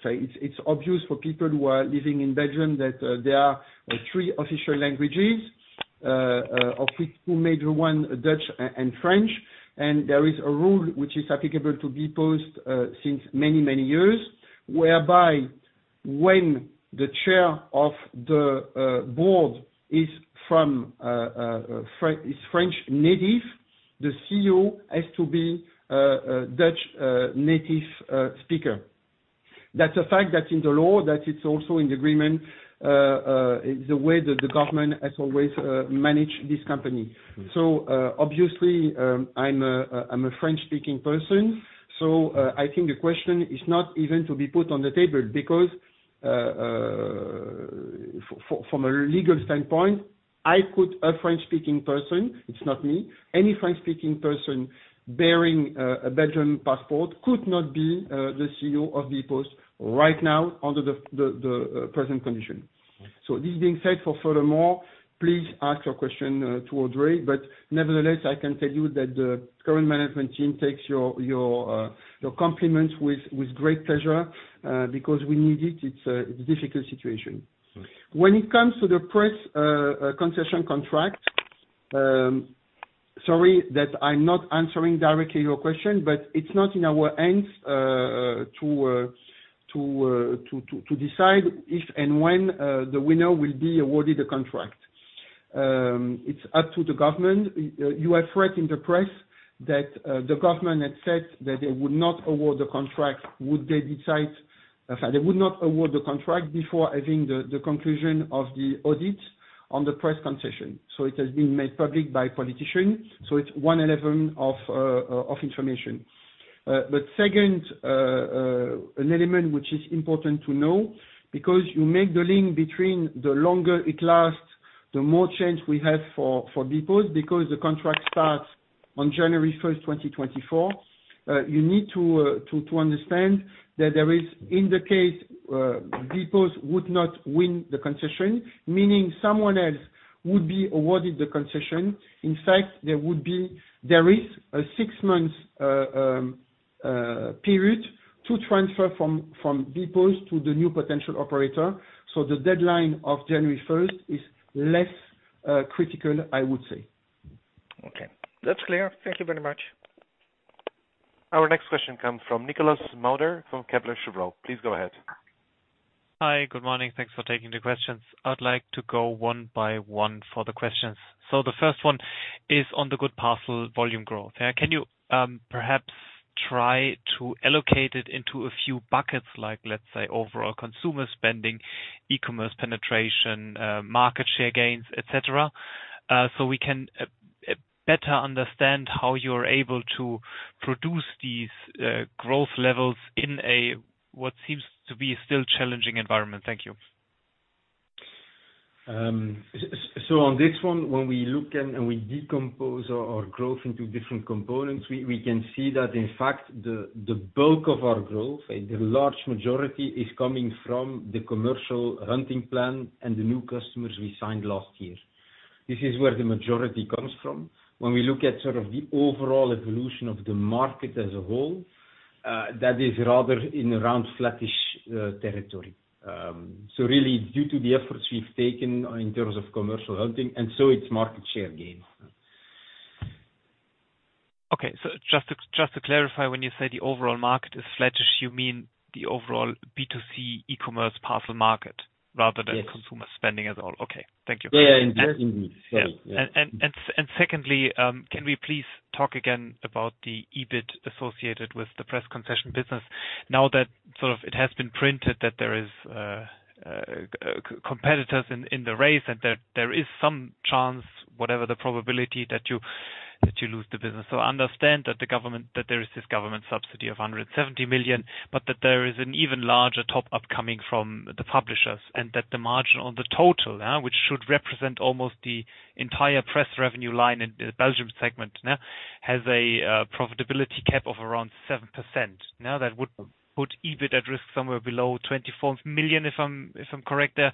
say it's it's obvious for people who are living in Belgium, that there are three official languages of which two major one, Dutch and French. There is a rule which is applicable to bpost since many, many years, whereby when the chair of the board is from French native, the CEO has to be Dutch native speaker. That's a fact that's in the law, that it's also in the agreement, the way that the government has always managed this company. Obviously, I'm a French-speaking person, so I think the question is not even to be put on the table because from a legal standpoint, I could... A French-speaking person, it's not me, any French-speaking person bearing a Belgian passport, could not be the CEO of bpost right now under the present condition. This being said, for furthermore, please ask your question to Audrey. Nevertheless, I can tell you that the current management team takes your, your, your compliments with, with great pleasure, because we need it. It's a, it's a difficult situation. When it comes to the press, concession contract, sorry that I'm not answering directly your question, but it's not in our hands, to, to, to, to, to decide if and when, the winner will be awarded a contract. It's up to the government. You have read in the press that, the government has said that they would not award the contract, would they decide, they would not award the contract before having the, the conclusion of the audit on the press concession. So it has been made public by politicians, so it's one level of, of information. Second, an element which is important to know, because you make the link between the longer it lasts, the more chance we have for, for bpost, because the contract starts on January 1, 2024. You need to understand that there is, in the case, bpost would not win the concession, meaning someone else would be awarded the concession. In fact, there would be, there is a 6-months period to transfer from, from bpost to the new potential operator. The deadline of January 1 is less critical, I would say. Okay, that's clear. Thank you very much. Our next question comes from Nikolas Mauder, from Kepler Cheuvreux. Please go ahead. Hi, good morning. Thanks for taking the questions. I'd like to go one by one for the questions. The first one is on the good parcel volume growth. Can you perhaps try to allocate it into a few buckets, like, let's say, overall consumer spending, e-commerce penetration, market share gains, et cetera, so we can better understand how you're able to produce these growth levels in a, what seems to be a still challenging environment? Thank you. On this one, when we look and, and we decompose our, our growth into different components, we, we can see that in fact, the, the bulk of our growth, the large majority, is coming from the commercial hunting plan and the new customers we signed last year. This is where the majority comes from. When we look at sort of the overall evolution of the market as a whole, that is rather in around flattish territory. Really, due to the efforts we've taken in terms of commercial hunting, and so it's market share gains. Okay, so just to, just to clarify, when you say the overall market is flattish, you mean the overall B2C e-commerce parcel market, rather than. Yes. consumer spending at all? Okay. Thank you. Yeah, indeed. Sorry. Yeah. Secondly, can we please talk again about the EBIT associated with the press concession business now that sort of it has been printed, that there is competitors in the race, and that there is some chance, whatever the probability, that you, that you lose the business. Understand that the government, that there is this government subsidy of 170 million, but that there is an even larger top-up coming from the publishers, and that the margin on the total now, which should represent almost the entire press revenue line in the Belgium segment, now, has a profitability cap of around 7%. That would put EBIT at risk somewhere below 24 million, if I'm, if I'm correct there.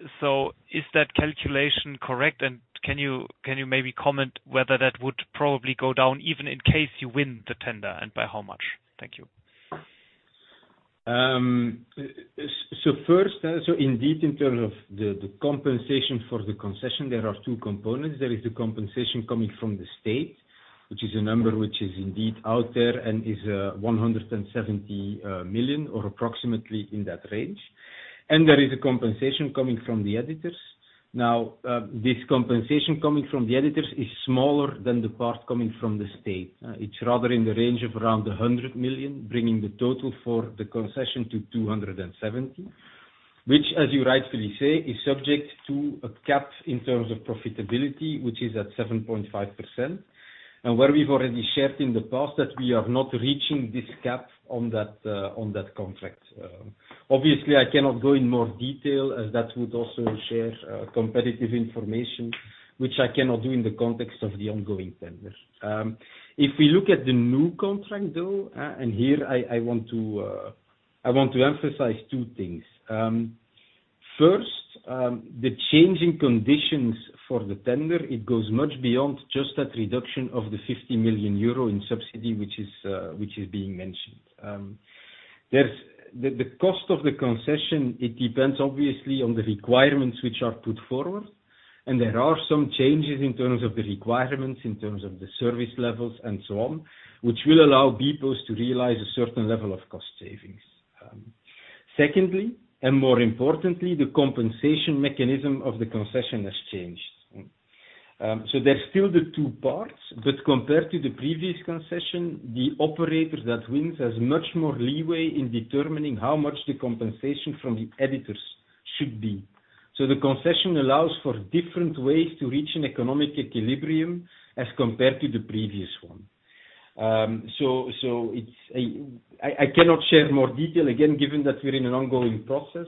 Is that calculation correct? Can you, can you maybe comment whether that would probably go down, even in case you win the tender, and by how much? Thank you. So first, so indeed, in terms of the, the compensation for the concession, there are two components. There is the compensation coming from the state, which is a number which is indeed out there and is 170 million, or approximately in that range. There is a compensation coming from the editors. Now, this compensation coming from the editors is smaller than the part coming from the state. It's rather in the range of around 100 million, bringing the total for the concession to 270 million, which, as you rightfully say, is subject to a cap in terms of profitability, which is at 7.5%. Where we've already shared in the past that we are not reaching this cap on that, on that contract. Obviously, I cannot go in more detail, as that would also share competitive information, which I cannot do in the context of the ongoing tender. If we look at the new contract, though, here, I want to emphasize two things. First, the changing conditions for the tender, it goes much beyond just that reduction of the 50 million euro in subsidy, which is being mentioned. There's the cost of the concession, it depends obviously on the requirements which are put forward, and there are some changes in terms of the requirements, in terms of the service levels, and so on, which will allow people to realize a certain level of cost savings. Secondly, more importantly, the compensation mechanism of the concession has changed. There's still the two parts, but compared to the previous concession, the operator that wins has much more leeway in determining how much the compensation from the editors should be. The concession allows for different ways to reach an economic equilibrium as compared to the previous one. I cannot share more detail, again, given that we're in an ongoing process,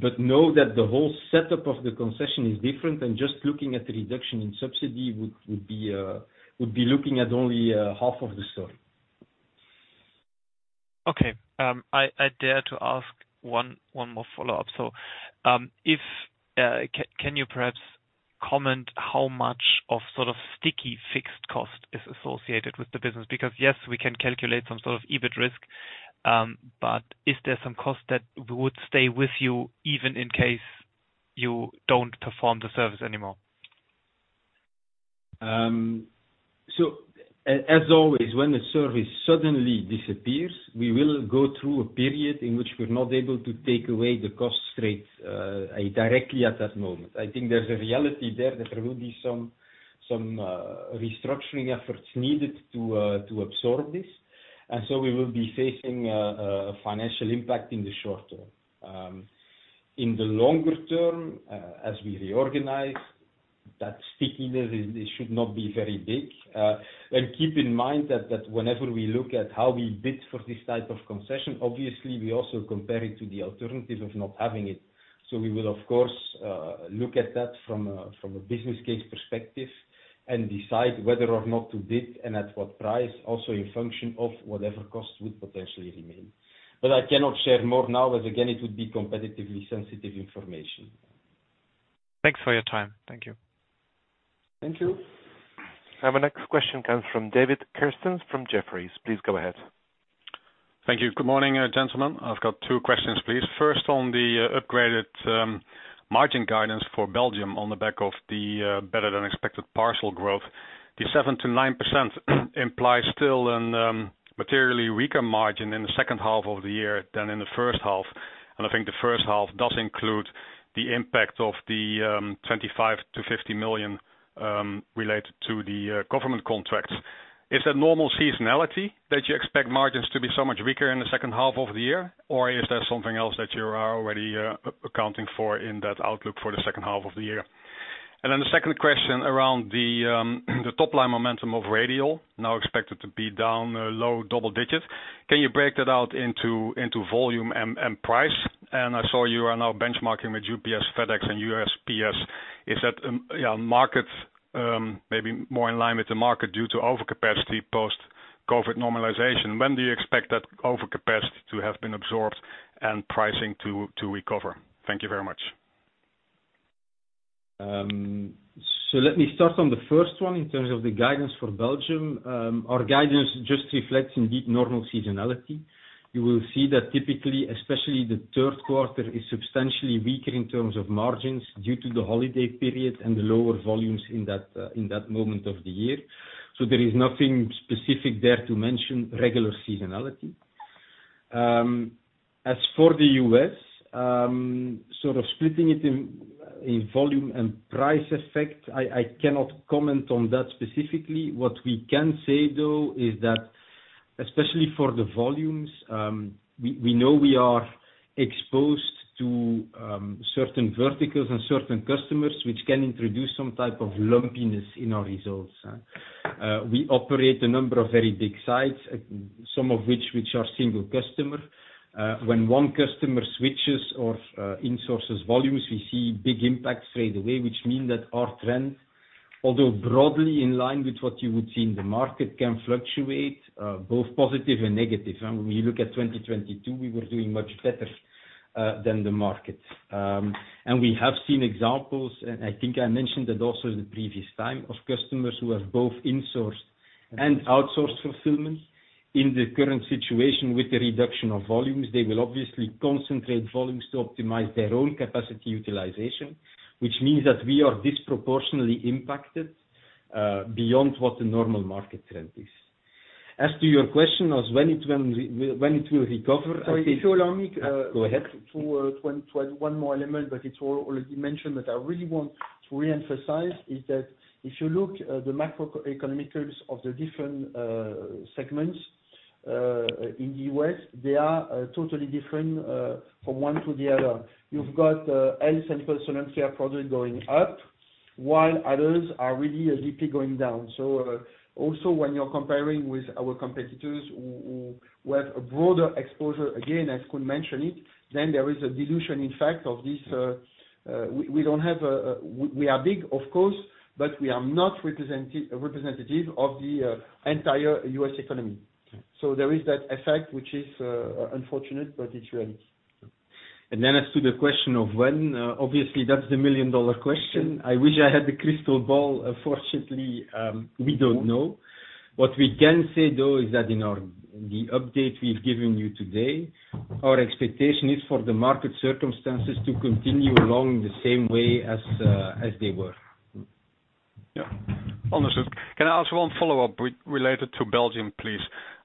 but know that the whole setup of the concession is different, and just looking at the reduction in subsidy would, would be looking at only half of the story. Okay, I, I dare to ask one, one more follow-up. If, can you perhaps comment how much of sort of sticky fixed cost is associated with the business? Yes, we can calculate some sort of EBIT risk, but is there some cost that would stay with you, even in case you don't perform the service anymore? As always, when a service suddenly disappears, we will go through a period in which we're not able to take away the cost straight directly at that moment. I think there's a reality there that there will be some, some restructuring efforts needed to to absorb this, and so we will be facing a, a financial impact in the short term. In the longer term, as we reorganize, that stickiness, it should not be very big. Keep in mind that, that whenever we look at how we bid for this type of concession, obviously, we also compare it to the alternative of not having it. We will, of course, look at that from a business case perspective and decide whether or not to bid and at what price, also a function of whatever costs would potentially remain. I cannot share more now, as again, it would be competitively sensitive information. Thanks for your time. Thank you. Thank you. My next question comes from David Kerstens from Jefferies. Please go ahead. Thank you. Good morning, gentlemen. I've got two questions, please. First, on the upgraded margin guidance for Belgium on the back of the better-than-expected parcel growth. The 7%-9% implies still an materially weaker margin in the second half of the year than in the first half, and I think the first half does include the impact of the $25 million-$50 million related to the government contracts. Is that normal seasonality, that you expect margins to be so much weaker in the second half of the year, or is there something else that you are already accounting for in that outlook for the second half of the year? The second question around the top line momentum of Radial, now expected to be down low double digits. Can you break that out into volume and price? I saw you are now benchmarking with UPS, FedEx, and USPS. Is that, yeah, market, maybe more in line with the market due to overcapacity post-COVID normalization? When do you expect that overcapacity to have been absorbed and pricing to recover? Thank you very much. Let me start on the first one in terms of the guidance for Belgium. Our guidance just reflects indeed normal seasonality. You will see that typically, especially the third quarter, is substantially weaker in terms of margins due to the holiday period and the lower volumes in that, in that moment of the year. There is nothing specific there to mention, regular seasonality. As for the US, sort of splitting it in, in volume and price effect, I, I cannot comment on that specifically. What we can say, though, is that especially for the volumes, we, we know we are exposed to, certain verticals and certain customers, which can introduce some type of lumpiness in our results. We operate a number of very big sites, some of which, which are single customer. When one customer switches or insources volumes, we see big impacts straight away, which mean that our trend, although broadly in line with what you would see in the market, can fluctuate both positive and negative. When you look at 2022, we were doing much better than the market. And we have seen examples, and I think I mentioned that also in the previous time, of customers who have both insourced and outsourced fulfillment. In the current situation with the reduction of volumes, they will obviously concentrate volumes to optimize their own capacity utilization, which means that we are disproportionately impacted beyond what the normal market trend is. As to your question, when it will recover? If you allow me. Go ahead. To add, to add one more element, but it's already mentioned, but I really want to reemphasize, is that if you look at the macroeconomicals of the different segments in the US, they are totally different from one to the other. You've got health and personal care product going up, while others are really deeply going down. Also when you're comparing with our competitors, who have a broader exposure, again, I could mention it, then there is a dilution in fact of this... We don't have. We are big, of course, but we are not representative of the entire US economy. There is that effect, which is unfortunate, but it's reality. Then as to the question of when, obviously, that's the million-dollar question. I wish I had the crystal ball. Unfortunately, we don't know. What we can say, though, is that in our, the update we've given you today, our expectation is for the market circumstances to continue along the same way as, as they were. Yeah. Understood. Can I ask one follow-up re-related to Belgium, please?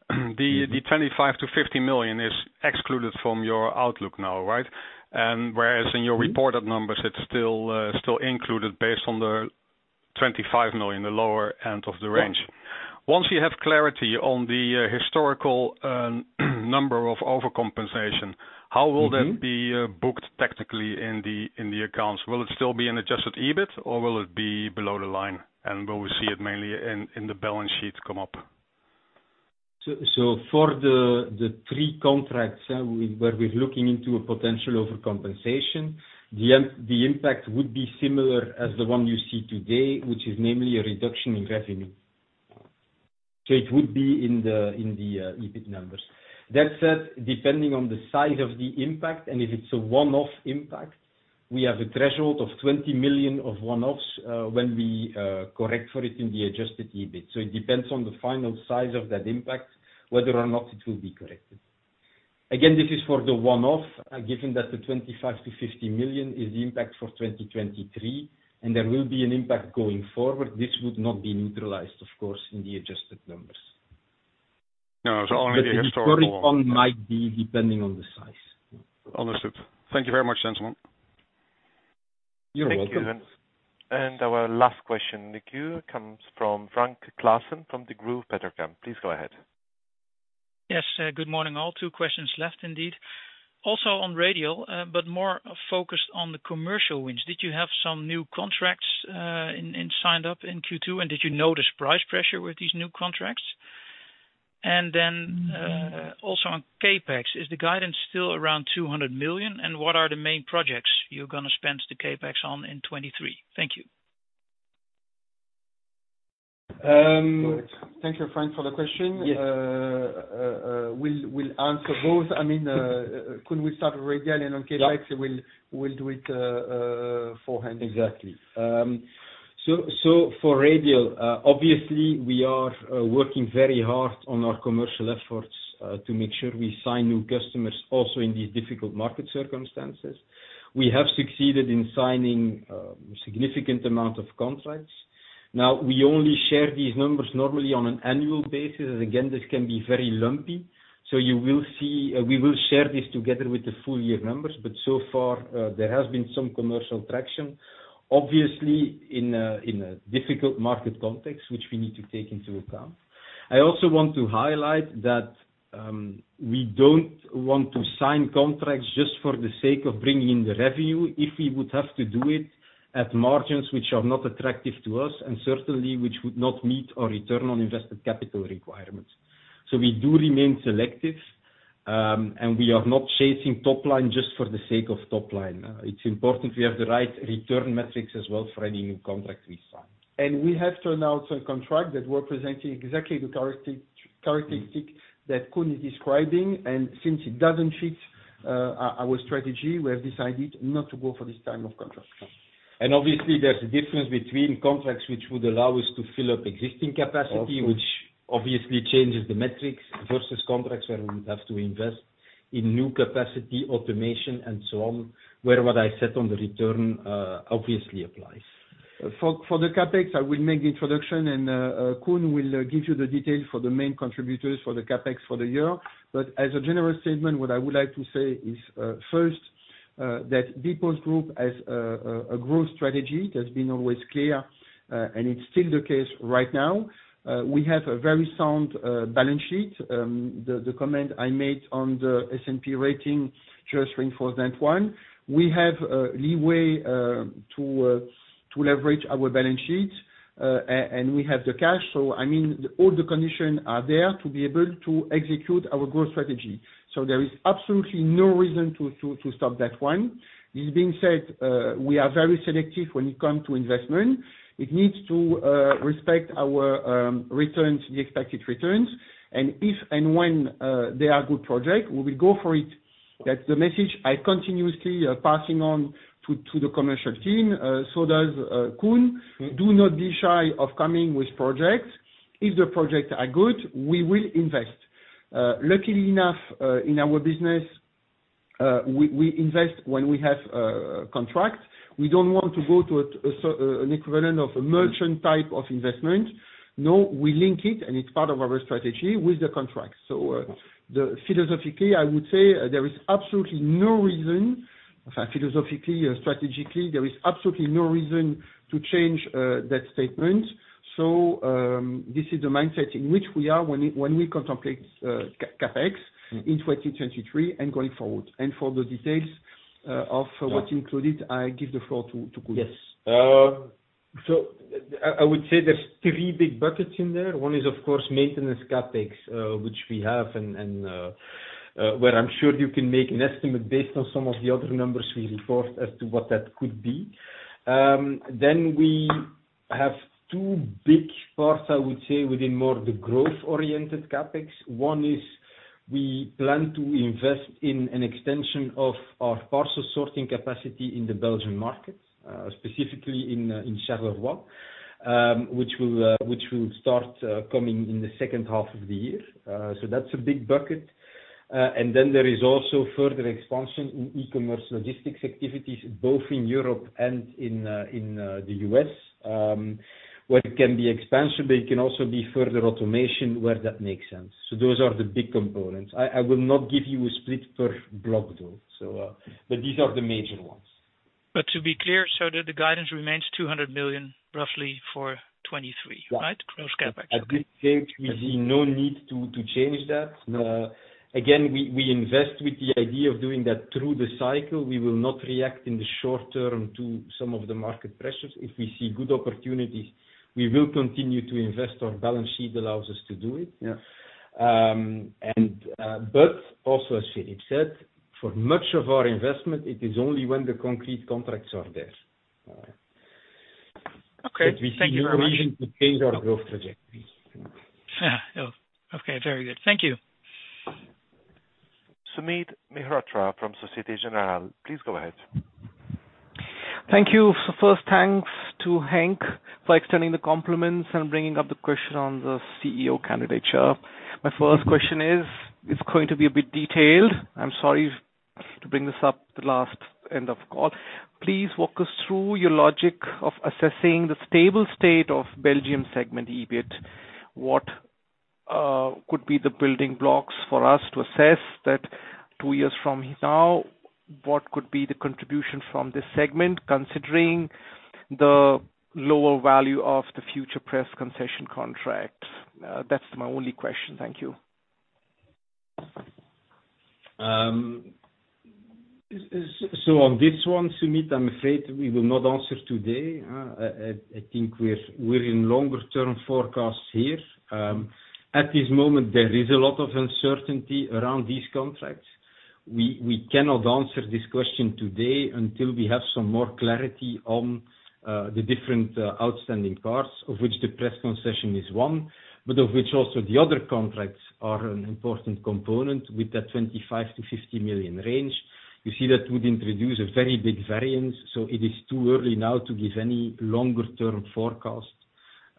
The 25 million-50 million is excluded from your outlook now, right? Whereas in your reported numbers, it's still still included based on the 25 million, the lower end of the range. Yeah. Once you have clarity on the historical number of overcompensation, how will that- Mm-hmm... be booked technically in the, in the accounts? Will it still be an adjusted EBIT, or will it be below the line? Will we see it mainly in, in the balance sheet come up? For the, the three contracts, where we're looking into a potential overcompensation, the impact would be similar as the one you see today, which is mainly a reduction in revenue. It would be in the, in the, EBIT numbers. That said, depending on the size of the impact, and if it's a one-off impact, we have a threshold of 20 million of one-offs, when we correct for it in the adjusted EBIT. It depends on the final size of that impact, whether or not it will be corrected. Again, this is for the one-off, given that the 25 million-50 million is the impact for 2023, and there will be an impact going forward, this would not be neutralized, of course, in the adjusted numbers. No, only. Current one might be, depending on the size. Understood. Thank you very much, gentlemen. You're welcome. Thank you. Our last question in the queue comes from Frank Claassen, from the Degroof Petercam. Please go ahead. Yes, good morning, all. Two questions left, indeed. Also, on Radial, but more focused on the commercial wins. Did you have some new contracts signed up in Q2, and did you notice price pressure with these new contracts? Then, also on CapEx, is the guidance still around 200 million, and what are the main projects you're gonna spend the CapEx on in 2023? Thank you. Thank you, Frank, for the question. Yes. We'll, we'll answer both. I mean, could we start with Radial, and on CapEx- Yeah... we'll, we'll do it, forehand. Exactly. So for Radial, obviously, we are working very hard on our commercial efforts to make sure we sign new customers also in these difficult market circumstances. We have succeeded in signing, significant amount of contracts. Now, we only share these numbers normally on an annual basis, and again, this can be very lumpy. You will see, we will share this together with the full year numbers, but so far, there has been some commercial traction, obviously in a difficult market context, which we need to take into account. I also want to highlight that we don't want to sign contracts just for the sake of bringing in the revenue, if we would have to do it at margins which are not attractive to us, and certainly which would not meet our return on invested capital requirements. We do remain selective, and we are not chasing top line just for the sake of top line. It's important we have the right return metrics as well for any new contract we sign. we have turned out a contract that representing exactly the characteristic that Koen is describing, and since it doesn't fit our strategy, we have decided not to go for this type of contract. obviously, there's a difference between contracts which would allow us to fill up existing capacity- Of course.... which obviously changes the metrics, versus contracts where we would have to invest in new capacity, automation, and so on, where what I said on the return, obviously applies. For, for the CapEx, I will make the introduction, and Koen will give you the details for the main contributors for the CapEx for the year. As a general statement, what I would like to say is, first, that bpost Group has a growth strategy that's been always clear, and it's still the case right now. We have a very sound balance sheet. The comment I made on the S&P rating just reinforce that one. We have leeway to leverage our balance sheet, and we have the cash. I mean, all the conditions are there to be able to execute our growth strategy. There is absolutely no reason to stop that one. This being said, we are very selective when it comes to investment. It needs to respect our returns, the expected returns, and if and when they are good project, we will go for it. That's the message I continuously passing on to the commercial team, so does Koen. Do not be shy of coming with projects. If the projects are good, we will invest. Luckily enough, in our business, we invest when we have contract. We don't want to go to an equivalent of a merchant type of investment. No, we link it, and it's part of our strategy with the contract. Philosophically, I would say there is absolutely no reason, in fact, philosophically or strategically, there is absolutely no reason to change that statement. This is the mindset in which we are when, when we contemplate, CapEx in 2023 and going forward. For the details, of what's included, I give the floor to, to Koen. Yes. I, I would say there's three big buckets in there. One is, of course, maintenance CapEx, which we have and, and, where I'm sure you can make an estimate based on some of the other numbers we report as to what that could be. We have two big parts, I would say, within more the growth-oriented CapEx. One is we plan to invest in an extension of our parcel sorting capacity in the Belgian market, specifically in, in Charleroi, which will, which will start, coming in the second half of the year. That's a big bucket. There is also further expansion in e-commerce logistics activities, both in Europe and in, in, the U.S., where it can be expansion, but it can also be further automation, where that makes sense. Those are the big components. I will not give you a split per block, though, so, but these are the major ones. To be clear, the guidance remains 200 million, roughly for 2023, right? Cross CapEx. At this stage, we see no need to change that. No. Again, we, we invest with the idea of doing that through the cycle. We will not react in the short term to some of the market pressures. If we see good opportunities, we will continue to invest. Our balance sheet allows us to do it. Yes. Also, as Philippe said, for much of our investment, it is only when the concrete contracts are there. Okay. Thank you very much. We see no reason to change our growth trajectory. Oh, okay. Very good. Thank you. Sumit Mehrotra from Société Générale, please go ahead. Thank you. First, thanks to Henk for extending the compliments and bringing up the question on the CEO candidature. My first question is, it's going to be a bit detailed. I'm sorry to bring this up the last end of call. Please walk us through your logic of assessing the stable state of Belgium segment, EBIT. What could be the building blocks for us to assess that two years from now, what could be the contribution from this segment, considering the lower value of the future press concession contract? That's my only question. Thank you. On this one, Sumit, I'm afraid we will not answer today. I think we're in longer term forecasts here. At this moment, there is a lot of uncertainty around these contracts. We cannot answer this question today until we have some more clarity on the different outstanding parts, of which the press concession is one, but of which also the other contracts are an important component with that 25 million-50 million range. You see, that would introduce a very big variance, so it is too early now to give any longer term forecast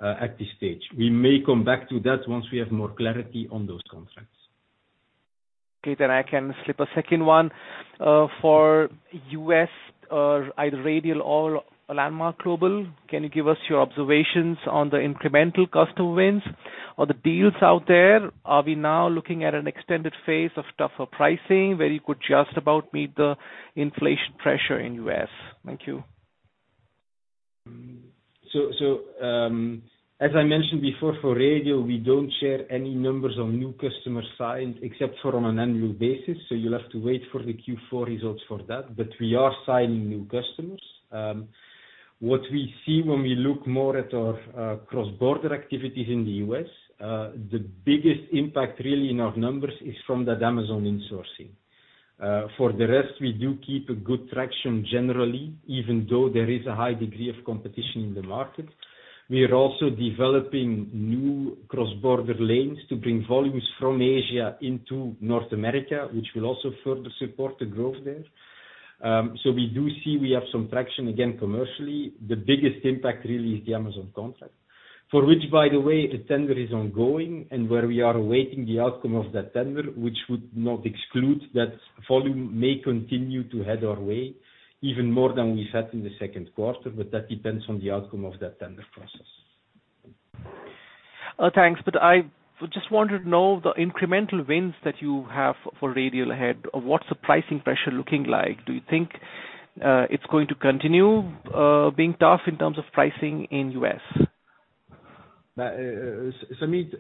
at this stage. We may come back to that once we have more clarity on those contracts. Okay, I can slip a second one. For U.S., either Radial or Landmark Global, can you give us your observations on the incremental customer wins or the deals out there? Are we now looking at an extended phase of tougher pricing, where you could just about meet the inflation pressure in U.S.? Thank you. As I mentioned before, for Radial, we don't share any numbers on new customers signed, except for on an annual basis, so you'll have to wait for the Q4 results for that, but we are signing new customers. What we see when we look more at our cross-border activities in the U.S., the biggest impact really in our numbers is from that Amazon insourcing. For the rest, we do keep a good traction generally, even though there is a high degree of competition in the market. We are also developing new cross-border lanes to bring volumes from Asia into North America, which will also further support the growth there. We do see we have some traction again, commercially. The biggest impact really is the Amazon contract. For which, by the way, a tender is ongoing and where we are awaiting the outcome of that tender, which would not exclude that volume, may continue to head our way even more than we've had in the second quarter, but that depends on the outcome of that tender process. Thanks, but I just wanted to know the incremental wins that you have for Radial ahead. What's the pricing pressure looking like? Do you think, it's going to continue, being tough in terms of pricing in U.S.? Sumit,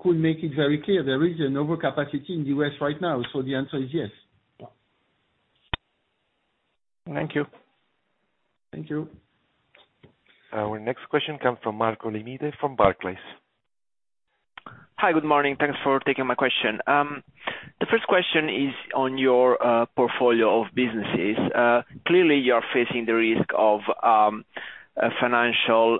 could make it very clear there is an overcapacity in the U.S. right now, so the answer is yes. Thank you. Thank you. Our next question comes from Marco Limite from Barclays. Hi, good morning. Thanks for taking my question. The first question is on your portfolio of businesses. Clearly, you are facing the risk of a financial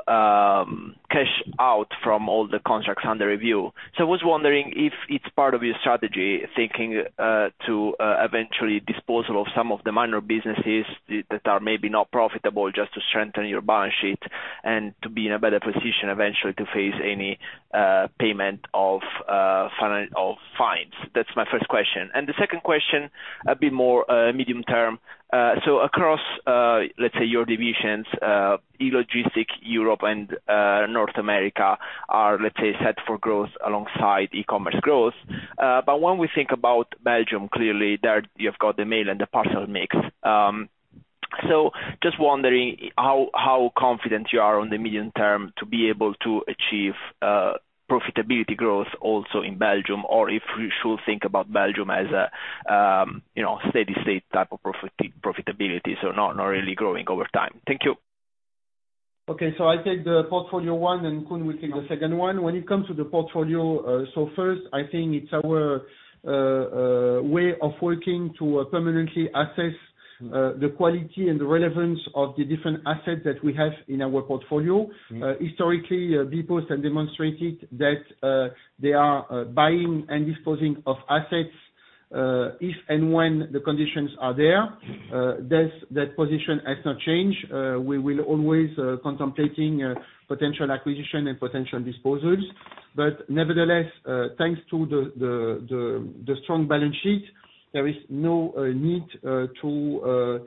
cash out from all the contracts under review. I was wondering if it's part of your strategy, thinking to eventually disposal of some of the minor businesses that, that are maybe not profitable, just to strengthen your balance sheet, and to be in a better position eventually to face any payment of fines? That's my first question, and the second question, a bit more medium term. Across, let's say, your divisions, e-logistic, Europe and North America, are, let's say, set for growth alongside e-commerce growth. When we think about Belgium, clearly, there you've got the mail and the parcel mix. Just wondering how, how confident you are on the medium term to be able to achieve profitability growth also in Belgium, or if we should think about Belgium as a, you know, steady state type of profitability, so not, not really growing over time. Thank you. Okay, so I take the portfolio one, and Koen will take the second one. When it comes to the portfolio, so first, I think it's our way of working to permanently assess the quality and the relevance of the different assets that we have in our portfolio. Mm-hmm. Historically, bpost have demonstrated that they are buying and disposing of assets if and when the conditions are there. Thus, that position has not changed. We will always contemplating potential acquisition and potential disposals, but nevertheless, thanks to the strong balance sheet, there is no need to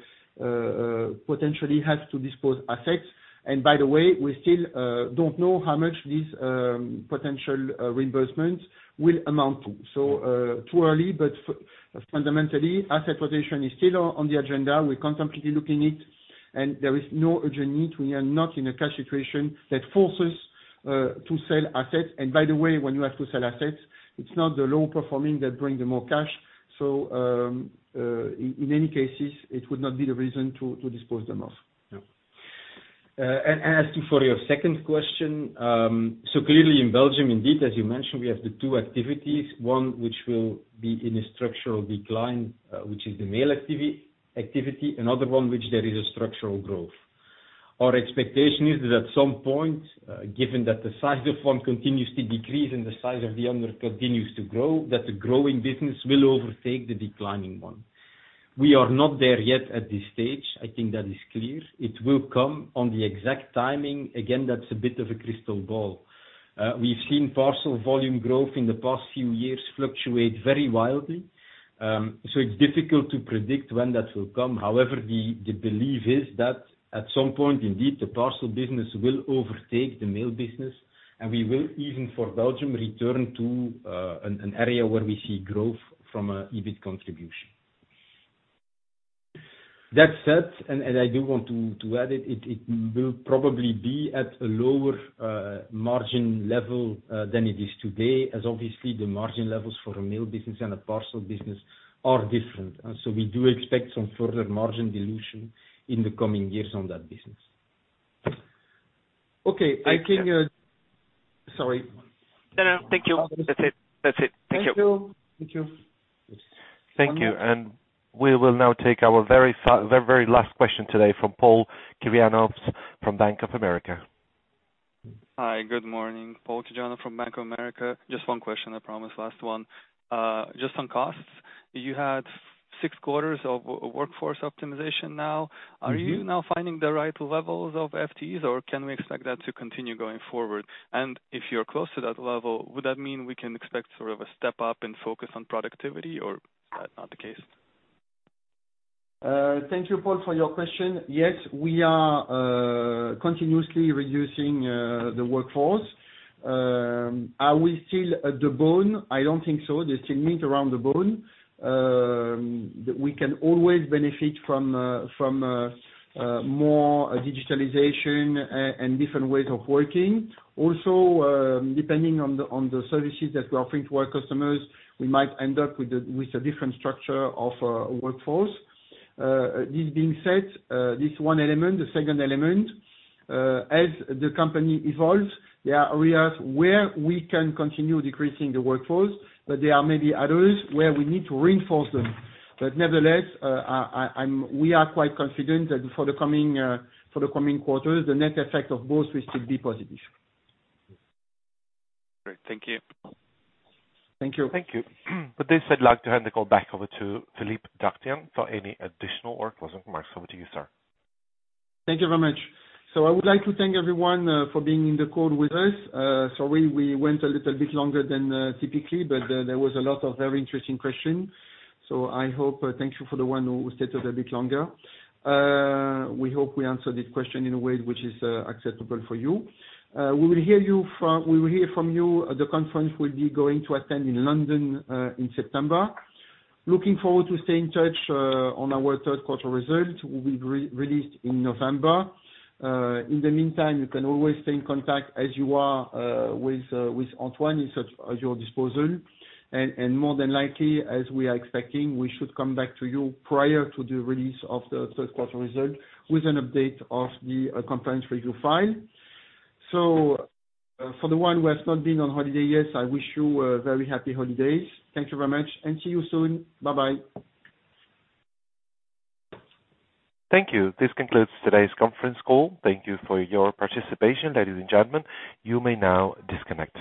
potentially have to dispose assets. By the way, we still don't know how much this potential reimbursement will amount to. Too early, but fundamentally, asset rotation is still on the agenda. We're constantly looking it, and there is no urgent need. We are not in a cash situation that forces to sell assets. By the way, when you have to sell assets, it's not the low performing that bring the more cash. In any cases, it would not be the reason to dispose them off. Yeah. As to for your second question, clearly in Belgium, indeed, as you mentioned, we have the two activities. One, which will be in a structural decline, which is the mail activity. Another one, which there is a structural growth. Our expectation is that at some point, given that the size of one continues to decrease and the size of the other continues to grow, that the growing business will overtake the declining one. We are not there yet at this stage, I think that is clear. It will come. On the exact timing, again, that's a bit of a crystal ball. We've seen parcel volume growth in the past few years fluctuate very wildly. It's difficult to predict when that will come. However, the belief is that at some point, indeed, the parcel business will overtake the mail business, and we will, even for Belgium, return to an area where we see growth from a EBIT contribution. That said, I do want to add it will probably be at a lower margin level than it is today, as obviously, the margin levels for a mail business and a parcel business are different. We do expect some further margin dilution in the coming years on that business. Okay, I can sorry. No, no. Thank you. That's it, that's it. Thank you. Thank you. Thank you. Thank you, we will now take our very, very last question today from Pavel Kirjanovs, from Bank of America. Hi, good morning, Pavel Kirjanovs from Bank of America. Just one question, I promise, last one. Just on costs, you had six quarters of workforce optimization now. Mm-hmm. Are you now finding the right levels of FTs, or can we expect that to continue going forward? If you're close to that level, would that mean we can expect sort of a step up and focus on productivity, or is that not the case? Thank you, Pavel, for your question. Yes, we are continuously reducing the workforce. Are we still at the bone? I don't think so. There's still meat around the bone. We can always benefit from from more digitalization and different ways of working. Also, depending on the services that we're offering to our customers, we might end up with a different structure of workforce. This being said, this one element, the second element, as the company evolves, there are areas where we can continue decreasing the workforce, but there are maybe others where we need to reinforce them. Nevertheless, we are quite confident that for the coming, for the coming quarters, the net effect of both will still be positive. Great, thank you. Thank you. Thank you. With this, I'd like to hand the call back over to Philippe Dartienne for any additional or closing remarks. Over to you, sir. Thank you very much. I would like to thank everyone for being in the call with us. Sorry, we went a little bit longer than typically, but there was a lot of very interesting questions. I hope... thank you for the one who stayed a bit longer. We hope we answered this question in a way which is acceptable for you. We will hear you from- we will hear from you, the conference will be going to attend in London in September. Looking forward to staying in touch on our third quarter results, will be re- released in November. In the meantime, you can always stay in contact as you are with with Antoine, he's at your disposal. More than likely, as we are expecting, we should come back to you prior to the release of the third quarter results, with an update of the conference review file. For the one who has not been on holiday yet, I wish you a very happy holidays. Thank you very much, and see you soon. Bye-bye. Thank you. This concludes today's conference call. Thank you for your participation, ladies and gentlemen. You may now disconnect.